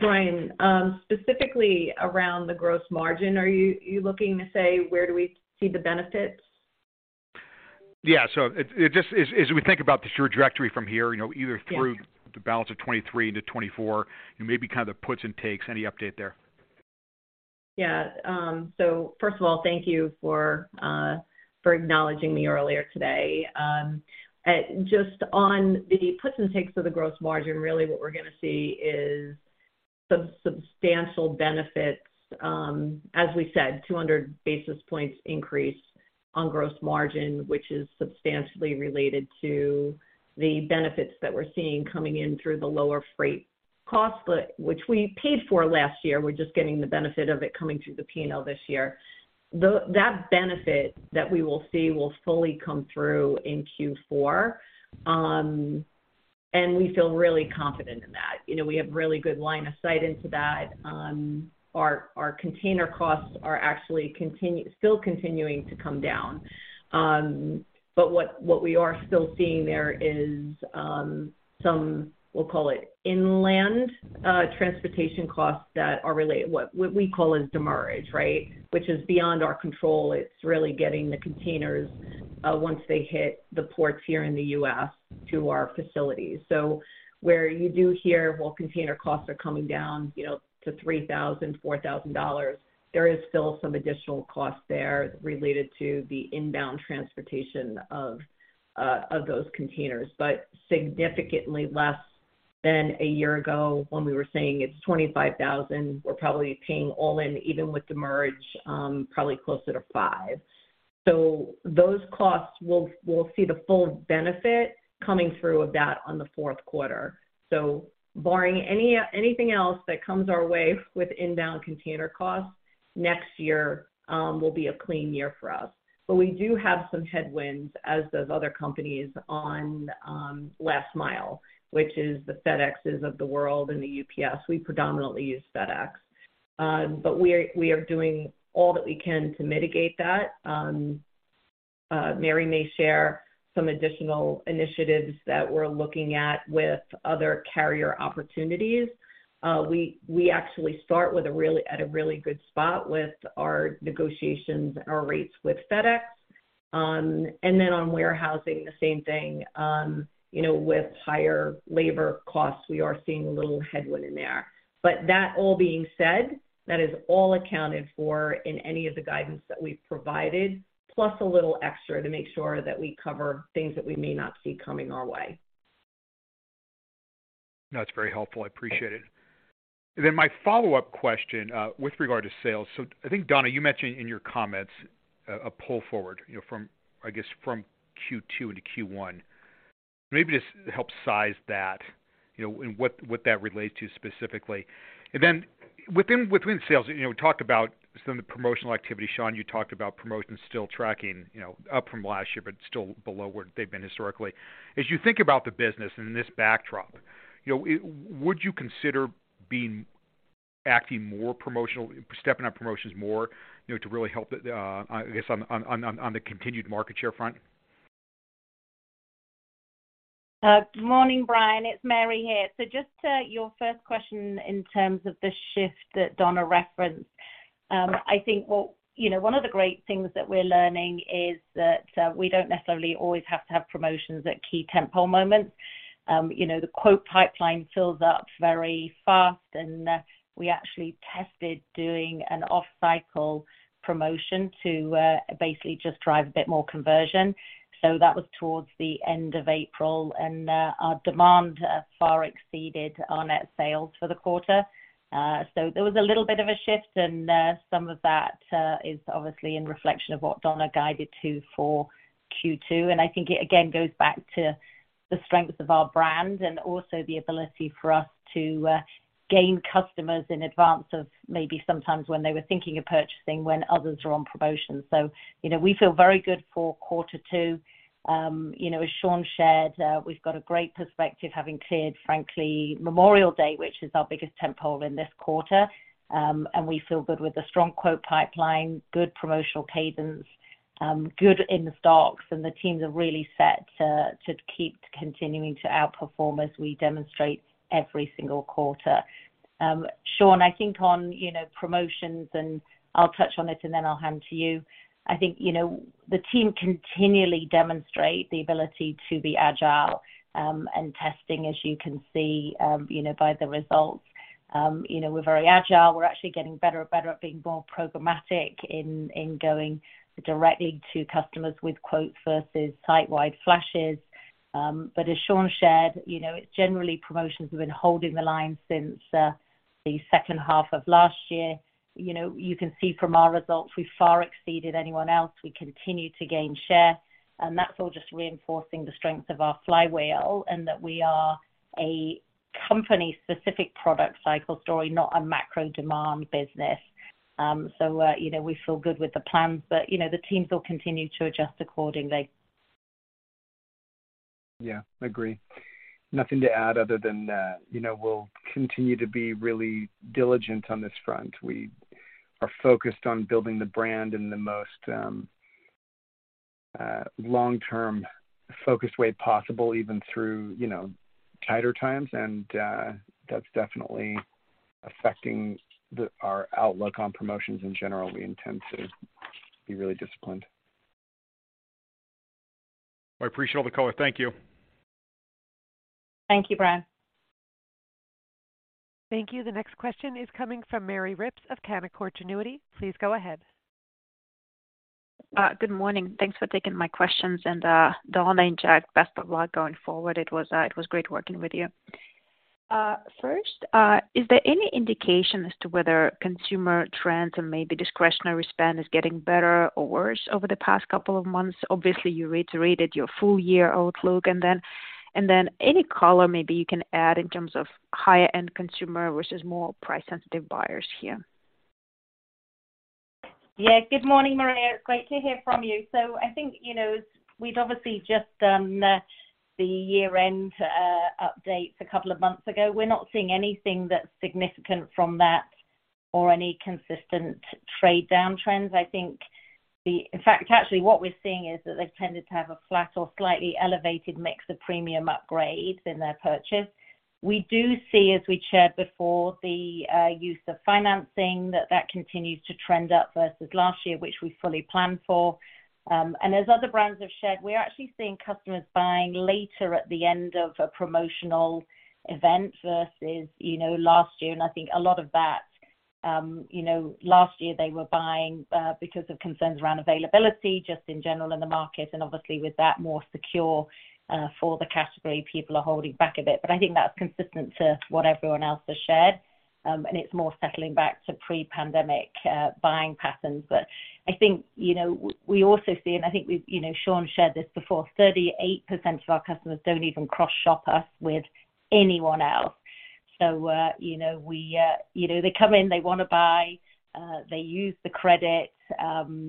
Speaker 5: Brian, specifically around the gross margin, are you looking to say, where do we see the benefits?
Speaker 6: Yeah. It just as we think about just your trajectory from here, you know, either through the balance of 2023 into 2024, and maybe kind of the puts and takes, any update there?
Speaker 5: First of all, thank you for acknowledging me earlier today. Just on the puts and takes of the gross margin, really what we're gonna see is some substantial benefits. As we said, 200 basis points increase on gross margin, which is substantially related to the benefits that we're seeing coming in through the lower freight costs, but which we paid for last year. We're just getting the benefit of it coming through the P&L this year. That benefit that we will see will fully come through in Q4, and we feel really confident in that. You know, we have really good line of sight into that. Our, our container costs are actually still continuing to come down. What we are still seeing there is some, we'll call it inland, transportation costs that are related, what we call as demurrage, right? Which is beyond our control. It's really getting the containers once they hit the ports here in the U.S. to our facilities. Where you do hear, well, container costs are coming down, you know, to $3,000, $4,000, there is still some additional cost there related to the inbound transportation of those containers, but significantly less than a year ago when we were saying it's $25,000. We're probably paying all in, even with the demurrage, probably closer to $5,000. Those costs will see the full benefit coming through of that on the fourth quarter. Barring anything else that comes our way with inbound container costs, next year, will be a clean year for us. We do have some headwinds as those other companies on last mile, which is the FedExes of the world and the UPS. We predominantly use FedEx. We are doing all that we can to mitigate that. Mary may share some additional initiatives that we're looking at with other carrier opportunities. We actually start at a really good spot with our negotiations and our rates with FedEx. And then on warehousing, the same thing. You know, with higher labor costs, we are seeing a little headwind in there. That all being said, that is all accounted for in any of the guidance that we've provided, plus a little extra to make sure that we cover things that we may not see coming our way.
Speaker 6: No, it's very helpful. I appreciate it. My follow-up question with regard to sales. I think, Donna, you mentioned in your comments a pull forward, you know, from, I guess, from Q2 into Q1. Maybe just help size that, you know, and what that relates to specifically. Within sales, you know, we talked about some of the promotional activity. Shawn, you talked about promotions still tracking, you know, up from last year, but still below where they've been historically. As you think about the business and in this backdrop, you know, would you consider acting more promotional, stepping up promotions more, you know, to really help it, I guess, on the continued market share front?
Speaker 4: Good morning, Brian. It's Mary here. Just to your first question in terms of the shift that Donna referenced, I think, well, you know, one of the great things that we're learning is that we don't necessarily always have to have promotions at key tent-pole moments. You know, the quote pipeline fills up very fast, and we actually tested doing an off-cycle promotion to basically just drive a bit more conversion. That was towards the end of April, and our demand far exceeded our net sales for the quarter. There was a little bit of a shift, and some of that is obviously in reflection of what Donna guided to for Q2. I think it, again, goes back to the strength of our brand and also the ability for us to gain customers in advance of maybe sometimes when they were thinking of purchasing, when others are on promotion. You know, we feel very good for quarter two. You know, as Shawn shared, we've got a great perspective, having cleared, frankly, Memorial Day, which is our biggest tent pole in this quarter. We feel good with a strong quote pipeline, good promotional cadence, good in the stocks, and the teams are really set to keep continuing to outperform as we demonstrate every single quarter. Shawn, I think on, you know, promotions, I'll touch on it, and then I'll hand to you. I think, you know, the team continually demonstrate the ability to be agile, and testing, as you can see, you know, by the results. You know, we're very agile. We're actually getting better and better at being more programmatic in going directly to customers with quotes versus site-wide flashes. As Shawn shared, you know, generally, promotions have been holding the line since the second half of last year. You know, you can see from our results, we far exceeded anyone else. We continue to gain share, and that's all just reinforcing the strength of our flywheel, and that we are a company-specific product cycle story, not a macro demand business. You know, we feel good with the plans, but, you know, the teams will continue to adjust accordingly.
Speaker 7: Yeah, agree. Nothing to add other than that. You know, we'll continue to be really diligent on this front. We are focused on building the brand in the most long-term focused way possible, even through, you know, tighter times. That's definitely affecting our outlook on promotions in general. We intend to be really disciplined.
Speaker 6: I appreciate all the color. Thank you.
Speaker 4: Thank you, Brian.
Speaker 1: Thank you. The next question is coming from Maria Ripps of Canaccord Genuity. Please go ahead.
Speaker 8: Good morning. Thanks for taking my questions. Donna and Jack, best of luck going forward. It was great working with you. First, is there any indication as to whether consumer trends and maybe discretionary spend is getting better or worse over the past couple of months? Obviously, you reiterated your full year outlook, and then any color maybe you can add in terms of higher-end consumer versus more price-sensitive buyers here.
Speaker 4: Good morning, Maria. It's great to hear from you. I think, you know, we've obviously just done the year-end updates a couple of months ago. We're not seeing anything that's significant from that or any consistent trade down trends. In fact, actually, what we're seeing is that they've tended to have a flat or slightly elevated mix of premium upgrades in their purchase. We do see, as we shared before, the use of financing, that continues to trend up versus last year, which we fully planned for. As other brands have shared, we're actually seeing customers buying later at the end of a promotional event versus, you know, last year. I think a lot of that, you know, last year they were buying because of concerns around availability just in general in the market, and obviously with that more secure, for the category, people are holding back a bit. I think that's consistent to what everyone else has shared, and it's more settling back to pre-pandemic buying patterns. I think, you know, we also see, and I think we've, you know, Shawn Nelson shared this before, 38% of our customers don't even cross-shop us with anyone else. You know, we, you know, they come in, they wanna buy, they use the credit,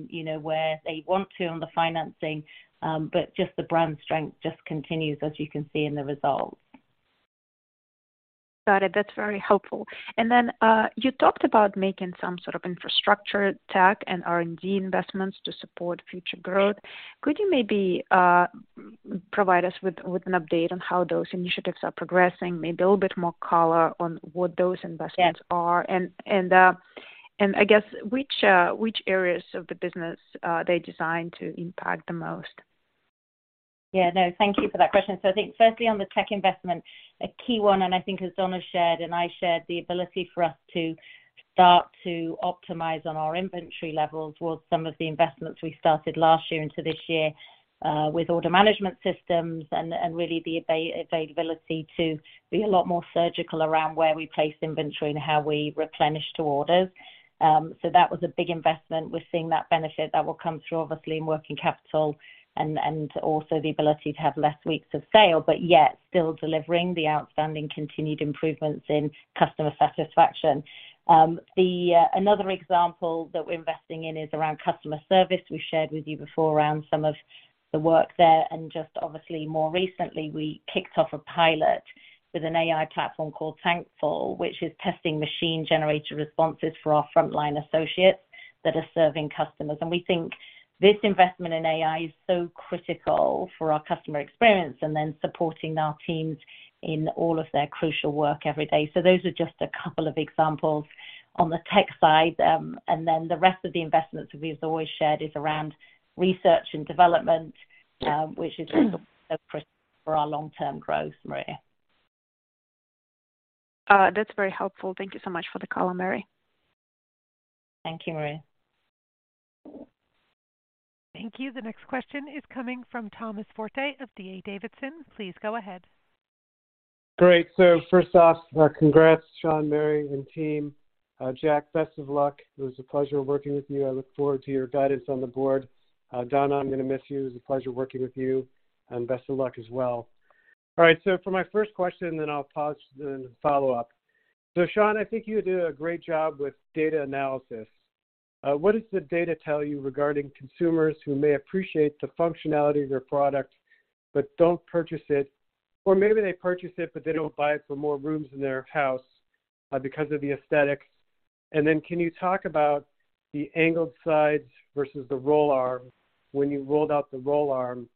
Speaker 4: you know, where they want to on the financing, but just the brand strength just continues, as you can see in the results.
Speaker 8: Got it. That's very helpful. Then, you talked about making some sort of infrastructure, tech, and R&D investments to support future growth. Could you maybe provide us with an update on how those initiatives are progressing, maybe a little bit more color on what those investments are?
Speaker 4: Yeah.
Speaker 8: I guess, which areas of the business are they designed to impact the most?
Speaker 4: Yeah, no, thank you for that question. I think firstly on the tech investment, a key one, and I think as Donna shared and I shared, the ability for us to start to optimize on our inventory levels was some of the investments we started last year into this year, with order management systems and really the availability to be a lot more surgical around where we place inventory and how we replenish to orders. That was a big investment. We're seeing that benefit. That will come through obviously in working capital and also the ability to have less weeks of sale, but yet still delivering the outstanding continued improvements in customer satisfaction. Another example that we're investing in is around customer service. We shared with you before around some of the work there, just obviously more recently, we kicked off a pilot with an AI platform called Thankful, which is testing machine-generated responses for our frontline associates that are serving customers. We think this investment in AI is so critical for our customer experience and then supporting our teams in all of their crucial work every day. Those are just a couple of examples on the tech side. The rest of the investments we've always shared is around research and development, which is so critical for our long-term growth, Maria.
Speaker 9: That's very helpful. Thank you so much for the call, Mary.
Speaker 4: Thank you, Maria.
Speaker 1: Thank you. The next question is coming from Thomas Forte of D.A. Davidson. Please go ahead.
Speaker 10: Great. First off, congrats, Shawn, Mary, and team. Jack, best of luck. It was a pleasure working with you. I look forward to your guidance on the board. Donna, I'm gonna miss you. It was a pleasure working with you, and best of luck as well. All right, for my first question, then I'll pause, then follow up. Shawn, I think you did a great job with data analysis. What does the data tell you regarding consumers who may appreciate the functionality of your product but don't purchase it? Or maybe they purchase it, but they don't buy it for more rooms in their house, because of the aesthetics. Then can you talk about the Angled Sides versus the Roll Arm when you rolled out the Roll Arm,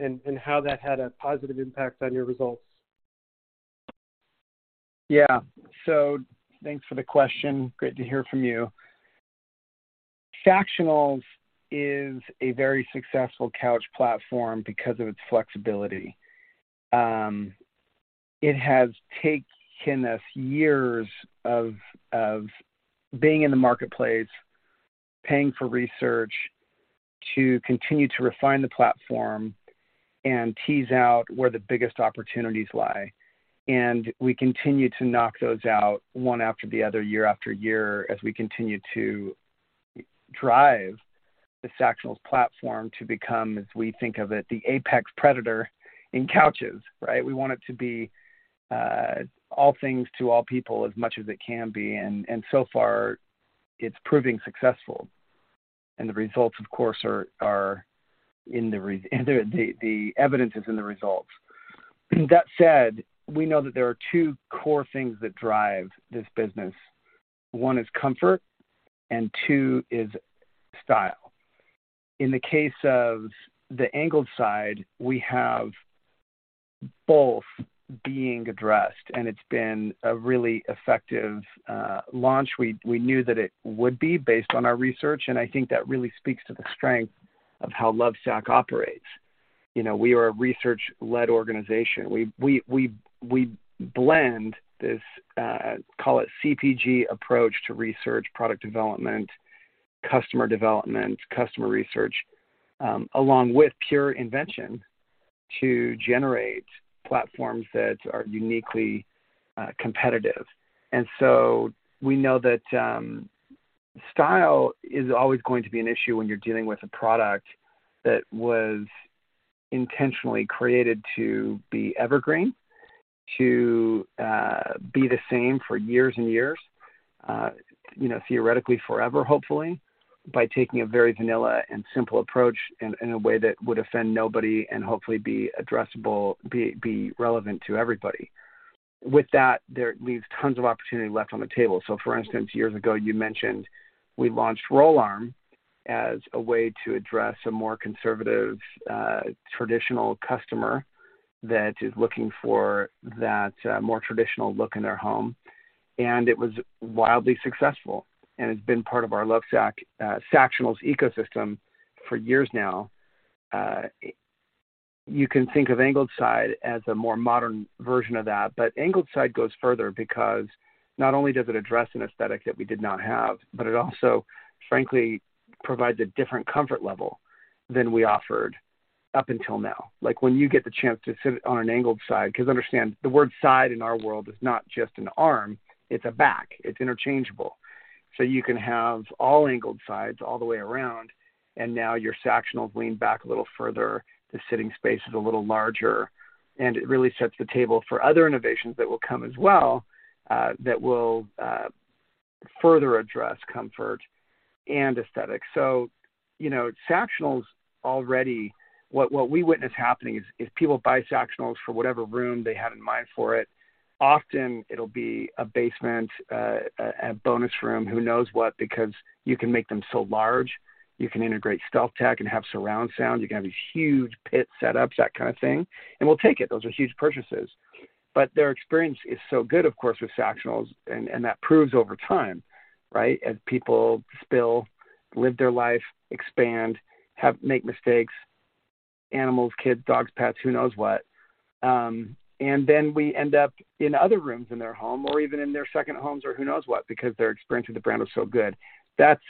Speaker 10: and how that had a positive impact on your results?
Speaker 3: Thanks for the question. Great to hear from you. Sactionals is a very successful couch platform because of its flexibility. It has taken us years of being in the marketplace, paying for research, to continue to refine the platform and tease out where the biggest opportunities lie. We continue to knock those out one after the other, year after year, as we continue to drive the Sactionals platform to become, as we think of it, the apex predator in couches, right? We want it to be all things to all people, as much as it can be, and so far it's proving successful. The results, of course, are the evidence is in the results. That said, we know that there are two core things that drive this business: one is comfort, and two is style. In the case of the Angled Side, we have both being addressed. It's been a really effective launch. We knew that it would be based on our research. I think that really speaks to the strength of how Lovesac operates. You know, we are a research-led organization. We blend this call it CPG approach to research, product development, customer development, customer research, along with pure invention to generate platforms that are uniquely competitive. So we know that style is always going to be an issue when you're dealing with a product that was intentionally created to be evergreen, to be the same for years and years, you know, theoretically forever, hopefully, by taking a very vanilla and simple approach in a way that would offend nobody and hopefully be addressable, be relevant to everybody. With that, there leaves tons of opportunity left on the table. For instance, years ago, you mentioned we launched Roll Arm as a way to address a more conservative, traditional customer that is looking for that, more traditional look in their home, and it was wildly successful. It's been part of our Lovesac Sactionals ecosystem for years now. You can think of Angled Side as a more modern version of that, Angled Side goes further because not only does it address an aesthetic that we did not have, but it also, frankly, provides a different comfort level than we offered up until now. Like, when you get the chance to sit on an Angled Side, because understand, the word side in our world is not just an arm, it's a back. It's interchangeable. You can have all Angled Sides all the way around, and now your Sactionals lean back a little further, the sitting space is a little larger, and it really sets the table for other innovations that will come as well, that will further address comfort and aesthetics. You know, Sactionals already. What we witness happening is people buy Sactionals for whatever room they had in mind for it. Often it'll be a basement, a bonus room, who knows what, because you can make them so large. You can integrate StealthTech and have surround sound. You can have these huge pit setups, that kind of thing, and we'll take it. Those are huge purchases. Their experience is so good, of course, with Sactionals, and that proves over time, right? As people spill, live their life, expand, make mistakes. Animals, kids, dogs, pets, who knows what? Then we end up in other rooms in their home or even in their second homes or who knows what, because their experience with the brand was so good. That's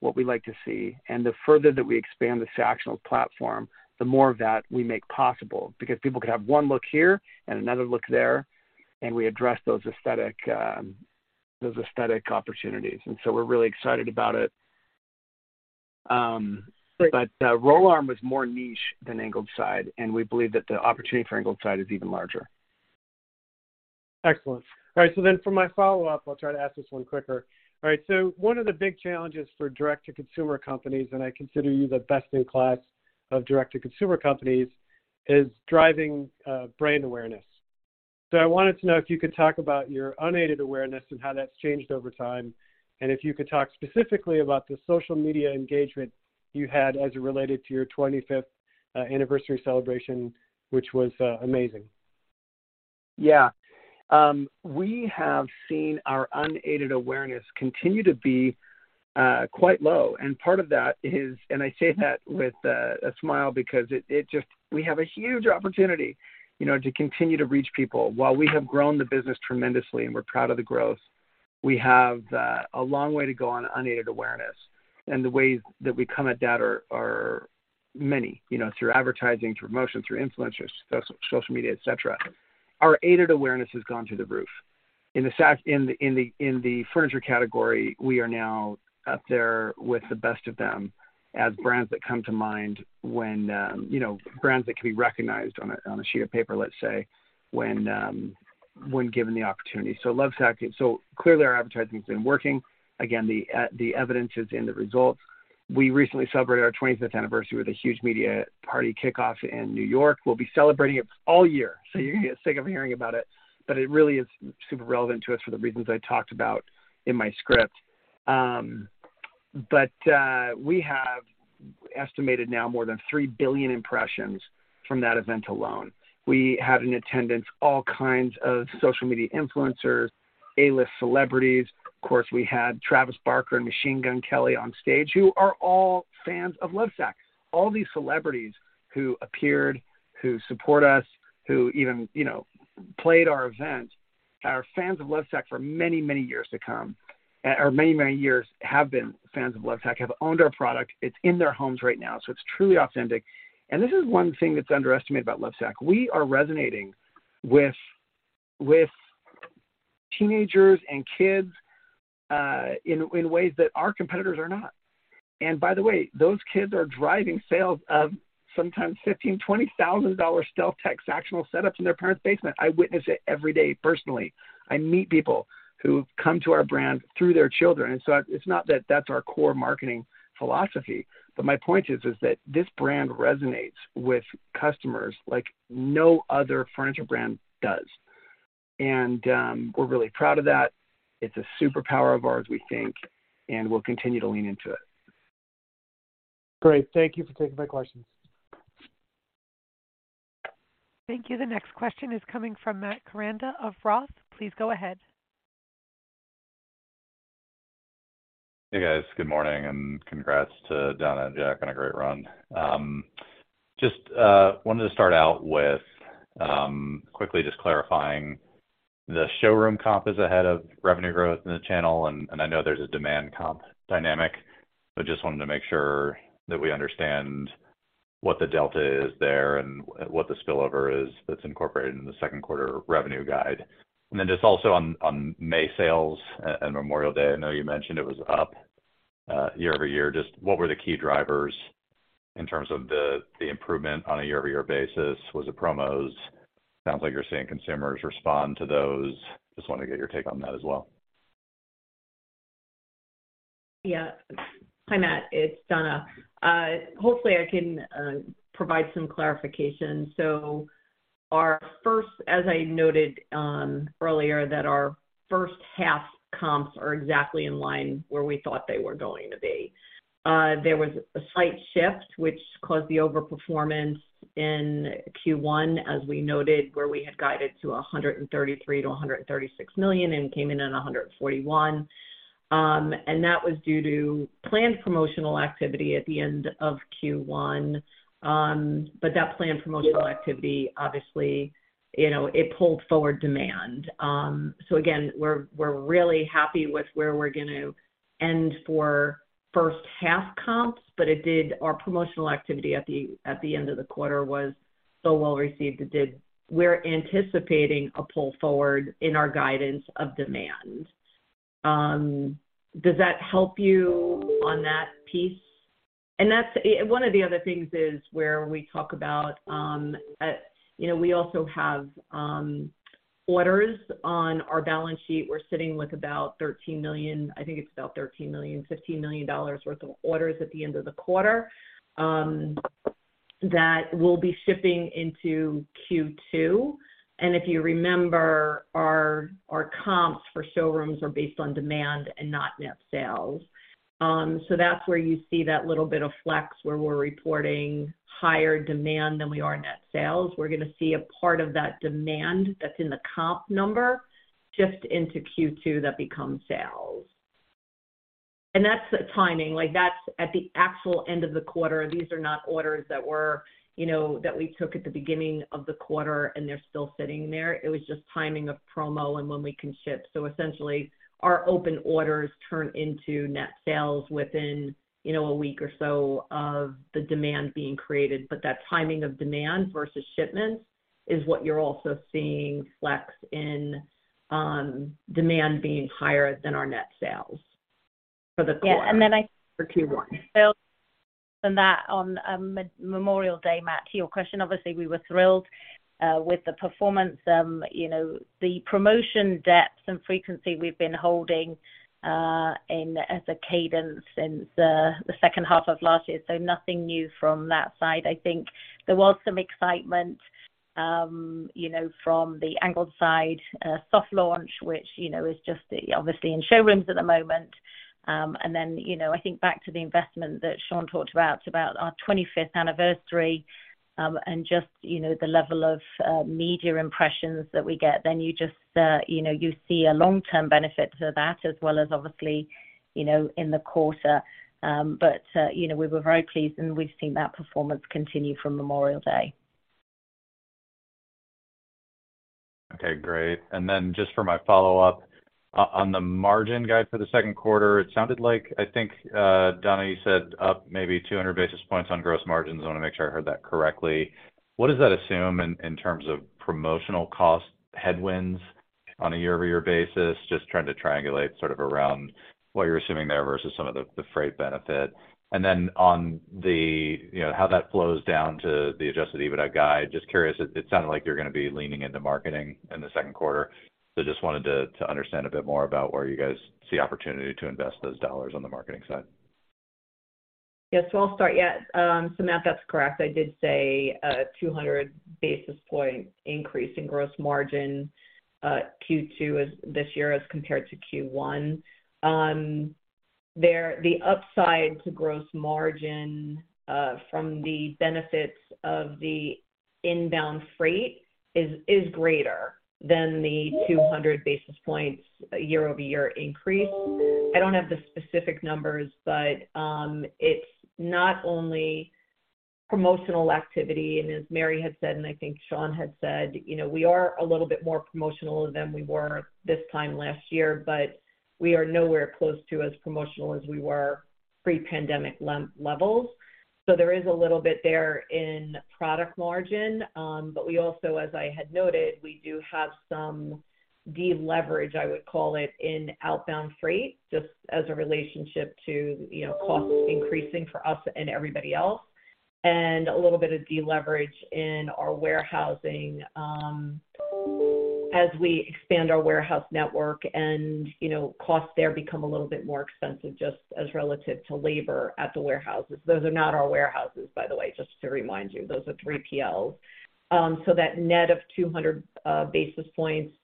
Speaker 3: what we like to see. The further that we expand the Sactionals platform, the more of that we make possible. People could have one look here and another look there, and we address those aesthetic, those aesthetic opportunities. We're really excited about it. Roll Arm was more niche than Angled Side, and we believe that the opportunity for Angled Side is even larger.
Speaker 10: Excellent. All right, for my follow-up, I'll try to ask this one quicker. All right, one of the big challenges for direct-to-consumer companies, and I consider you the best in class of direct-to-consumer companies, is driving brand awareness. I wanted to know if you could talk about your unaided awareness and how that's changed over time, and if you could talk specifically about the social media engagement you had as it related to your 25th anniversary celebration, which was amazing.
Speaker 3: Yeah. We have seen our unaided awareness continue to be quite low. I say that with a smile because we have a huge opportunity, you know, to continue to reach people. While we have grown the business tremendously, and we're proud of the growth, we have a long way to go on unaided awareness. The ways that we come at that are many, you know, through advertising, through promotion, through influencers, social media, et cetera. Our aided awareness has gone through the roof. In the Sac furniture category, we are now up there with the best of them as brands that come to mind when, you know, brands that can be recognized on a sheet of paper, let's say, when given the opportunity. Lovesac, clearly our advertising has been working. Again, the evidence is in the results. We recently celebrated our 25th anniversary with a huge media party kickoff in New York. We'll be celebrating it all year, so you're going to get sick of hearing about it, but it really is super relevant to us for the reasons I talked about in my script. We have estimated now more than 3 billion impressions from that event alone. We had in attendance all kinds of social media influencers, A-list celebrities. Of course, we had Travis Barker and Machine Gun Kelly on stage, who are all fans of Lovesac. All these celebrities who appeared, who support us, who even, you know, played our event, are fans of Lovesac for many, many years to come, or many, many years have been fans of Lovesac, have owned our product. It's in their homes right now, so it's truly authentic. This is one thing that's underestimated about Lovesac: we are resonating with teenagers and kids, in ways that our competitors are not. By the way, those kids are driving sales of sometimes $15,000, $20,000 StealthTech Sactional setups in their parents' basement. I witness it every day personally. I meet people who come to our brand through their children. It's not that that's our core marketing philosophy, but my point is that this brand resonates with customers like no other furniture brand does. We're really proud of that. It's a superpower of ours, we think, and we'll continue to lean into it.
Speaker 10: Great. Thank you for taking my questions.
Speaker 1: Thank you. The next question is coming from Matt Koranda of ROTH. Please go ahead.
Speaker 11: Hey, guys. Good morning, and congrats to Donna and Jack on a great run. Just wanted to start out with quickly just clarifying the showroom comp is ahead of revenue growth in the channel, and I know there's a demand comp dynamic, but just wanted to make sure that we understand what the delta is there and what the spillover is that's incorporated in the second quarter revenue guide. Then just also on May sales and Memorial Day, I know you mentioned it was up year-over-year. Just what were the key drivers in terms of the improvement on a year-over-year basis? Was it promos? Sounds like you're seeing consumers respond to those. Just wanted to get your take on that as well.
Speaker 5: Yeah. Hi, Matt. It's Donna. Hopefully, I can provide some clarification. Our first, as I noted earlier, that our first half comps are exactly in line where we thought they were going to be. There was a slight shift which caused the overperformance in Q1, as we noted, where we had guided to $133 million-$136 million and came in at $141 million. That was due to planned promotional activity at the end of Q1. That planned promotional activity, obviously, you know, it pulled forward demand. Again, we're really happy with where we're going to end for first half comps, but it did our promotional activity at the end of the quarter was so well-received, it did. We're anticipating a pull forward in our guidance of demand. Does that help you on that piece? One of the other things is where we talk about, you know, we also have orders on our balance sheet. We're sitting with about $13 million, I think it's about $13 million, $15 million worth of orders at the end of the quarter that we'll be shipping into Q2. If you remember, our comps for showrooms are based on demand and not net sales. That's where you see that little bit of flex, where we're reporting higher demand than we are net sales. We're going to see a part of that demand that's in the comp number shift into Q2, that becomes sales. That's the timing, like, that's at the actual end of the quarter. These are not orders that were, you know, that we took at the beginning of the quarter, and they're still sitting there. It was just timing of promo and when we can ship. Essentially, our open orders turn into net sales within, you know, a week or so of the demand being created. That timing of demand versus shipments is what you're also seeing flex in demand being higher than our net sales for the quarter.
Speaker 4: Yeah.
Speaker 5: For Q1.
Speaker 4: On Memorial Day, Matt, to your question, obviously, we were thrilled with the performance. You know, the promotion depth and frequency we've been holding in as a cadence since the second half of last year, nothing new from that side. I think there was some excitement, you know, from the Angled Side soft launch, which, you know, is just obviously in showrooms at the moment. You know, I think back to the investment that Shawn talked about our 25th anniversary, and just, you know, the level of media impressions that we get, then you just, you know, you see a long-term benefit to that as well as obviously, you know, in the quarter. You know, we were very pleased, and we've seen that performance continue from Memorial Day.
Speaker 11: Okay, great. Just for my follow-up, on the margin guide for the second quarter, it sounded like, I think, Donna, you said up maybe 200 basis points on gross margins. I wanna make sure I heard that correctly. What does that assume in terms of promotional cost headwinds on a year-over-year basis? Just trying to triangulate sort of around what you're assuming there versus some of the freight benefit. On the, you know, how that flows down to the adjusted EBITDA guide. Just curious, it sounded like you're gonna be leaning into marketing in the second quarter. Just wanted to understand a bit more about where you guys see opportunity to invest those dollars on the marketing side.
Speaker 5: Yes, so I'll start. Yeah, so Matt, that's correct. I did say a 200 basis point increase in gross margin, Q2 as this year as compared to Q1. There, the upside to gross margin, from the benefits of the inbound freight is greater than the 200 basis points year-over-year increase. I don't have the specific numbers, it's not only promotional activity, and as Mary had said, and I think Shawn had said, you know, we are a little bit more promotional than we were this time last year, but we are nowhere close to as promotional as we were pre-pandemic levels. There is a little bit there in product margin, but we also, as I had noted, we do have some deleverage, I would call it, in outbound freight, just as a relationship to, you know, costs increasing for us and everybody else, and a little bit of deleverage in our warehousing, as we expand our warehouse network and, you know, costs there become a little bit more expensive, just as relative to labor at the warehouses. Those are not our warehouses, by the way, just to remind you, those are 3PLs. That net of 200 basis points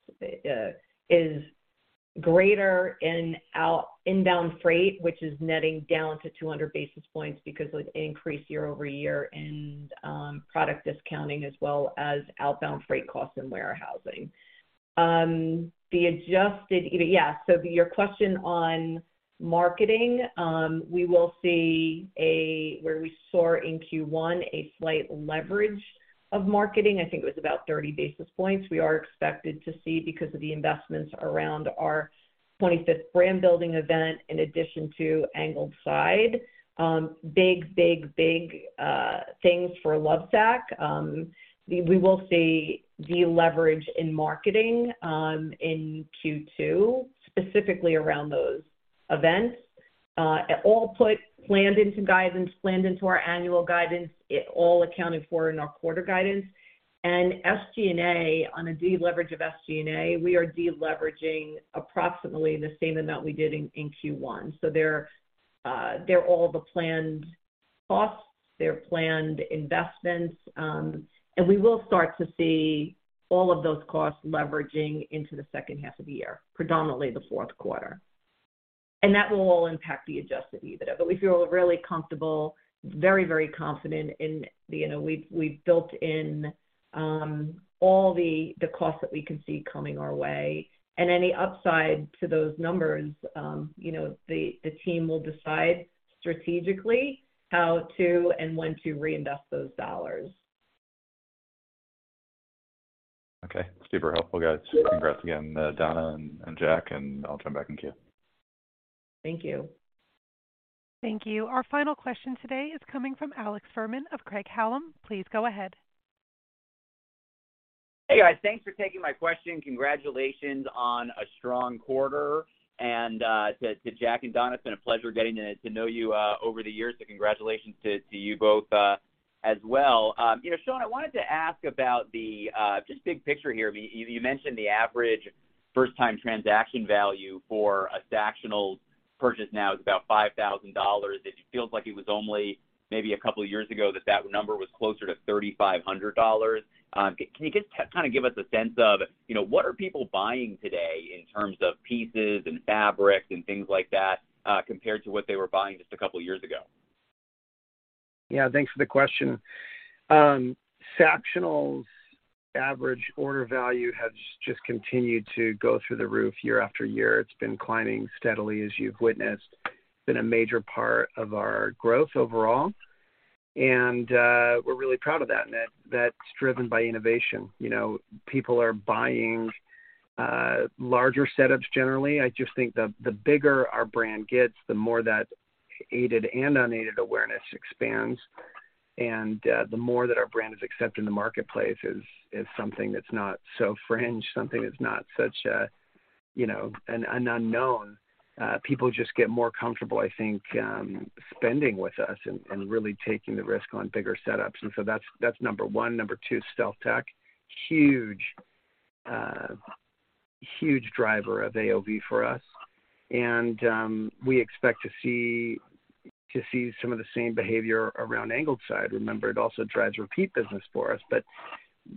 Speaker 5: is greater in inbound freight, which is netting down to 200 basis points because of increase year-over-year and product discounting, as well as outbound freight costs and warehousing. The adjusted, yeah, so your question on marketing, we will see, where we saw in Q1, a slight leverage of marketing. I think it was about 30 basis points. We are expected to see because of the investments around our 25th brand building event, in addition to Angled Side, big, big, big things for Lovesac. We will see deleverage in marketing in Q2, specifically around those events. All put planned into guidance, planned into our annual guidance, it all accounted for in our quarter guidance. SG&A, on a deleverage of SG&A, we are deleveraging approximately the same amount we did in Q1. They're all the planned costs, they're planned investments, and we will start to see all of those costs leveraging into the second half of the year, predominantly the fourth quarter. That will all impact the adjusted EBITDA. We feel very confident in, you know, we've built in, all the costs that we can see coming our way. Any upside to those numbers, you know, the team will decide strategically how to and when to reinvest those dollars.
Speaker 11: Okay. Super helpful, guys. Congrats again, Donna and Jack, I'll check back in queue.
Speaker 5: Thank you.
Speaker 1: Thank you. Our final question today is coming from Alex Fuhrman of Craig-Hallum. Please go ahead.
Speaker 12: Hey, guys, thanks for taking my question. Congratulations on a strong quarter. To Jack and Donna, it's been a pleasure getting to know you over the years. Congratulations to you both as well. You know, Shawn, I wanted to ask about the just big picture here. You mentioned the average first-time transaction value for a Sactional purchase now is about $5,000. It feels like it was only maybe a couple of years ago that that number was closer to $3,500. Can you just kind of give us a sense of, you know, what are people buying today in terms of pieces and fabrics and things like that, compared to what they were buying just a couple of years ago?
Speaker 3: Yeah, thanks for the question. Sactionals average order value has just continued to go through the roof year after year. It's been climbing steadily, as you've witnessed. Been a major part of our growth overall, and we're really proud of that, and that's driven by innovation. You know, people are buying larger setups generally. I just think the bigger our brand gets, the more that aided and unaided awareness expands, and the more that our brand is accepted in the marketplace is something that's not so fringe, something that's not such a, you know, an unknown. People just get more comfortable, I think, spending with us and really taking the risk on bigger setups. That's number one. Number two, StealthTech. Huge driver of AOV for us, and we expect to see some of the same behavior around Angled Side. Remember, it also drives repeat business for us.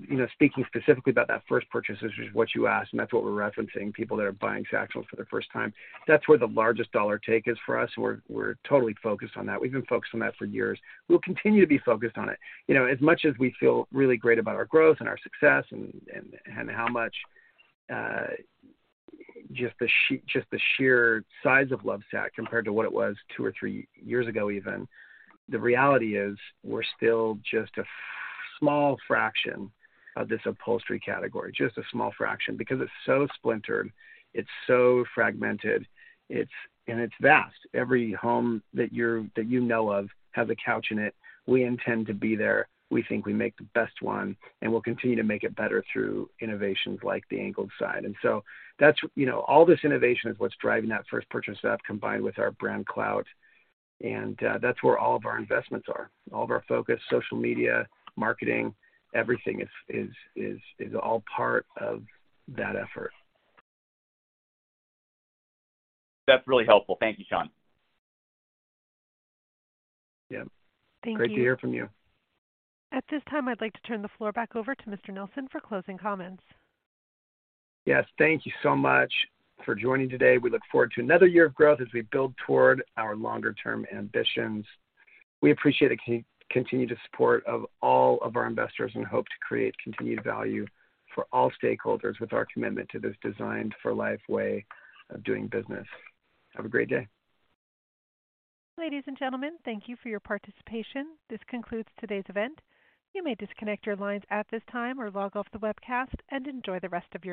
Speaker 3: You know, speaking specifically about that first purchase, which is what you asked, and that's what we're referencing, people that are buying Sactional for the first time, that's where the largest dollar take is for us, and we're totally focused on that. We've been focused on that for years. We'll continue to be focused on it. You know, as much as we feel really great about our growth and our success and how much just the sheer size of Lovesac compared to what it was two or three years ago even, the reality is, we're still just a small fraction of this upholstery category. Just a small fraction. Because it's so splintered, it's so fragmented. It's vast. Every home that you know of, has a couch in it, we intend to be there. We think we make the best one, and we'll continue to make it better through innovations like the Angled Side. That's, you know, all this innovation is what's driving that first purchase up, combined with our brand clout. That's where all of our investments are, all of our focus, social media, marketing, everything is all part of that effort.
Speaker 12: That's really helpful. Thank you, Shawn.
Speaker 3: Yeah.
Speaker 1: Thank you.
Speaker 3: Great to hear from you.
Speaker 1: At this time, I'd like to turn the floor back over to Mr. Nelson for closing comments.
Speaker 3: Yes, thank you so much for joining today. We look forward to another year of growth as we build toward our longer-term ambitions. We appreciate the continued support of all of our investors and hope to create continued value for all stakeholders with our commitment to this Designed For Life way of doing business. Have a great day.
Speaker 1: Ladies and gentlemen, thank you for your participation. This concludes today's event. You may disconnect your lines at this time or log off the webcast and enjoy the rest of your day.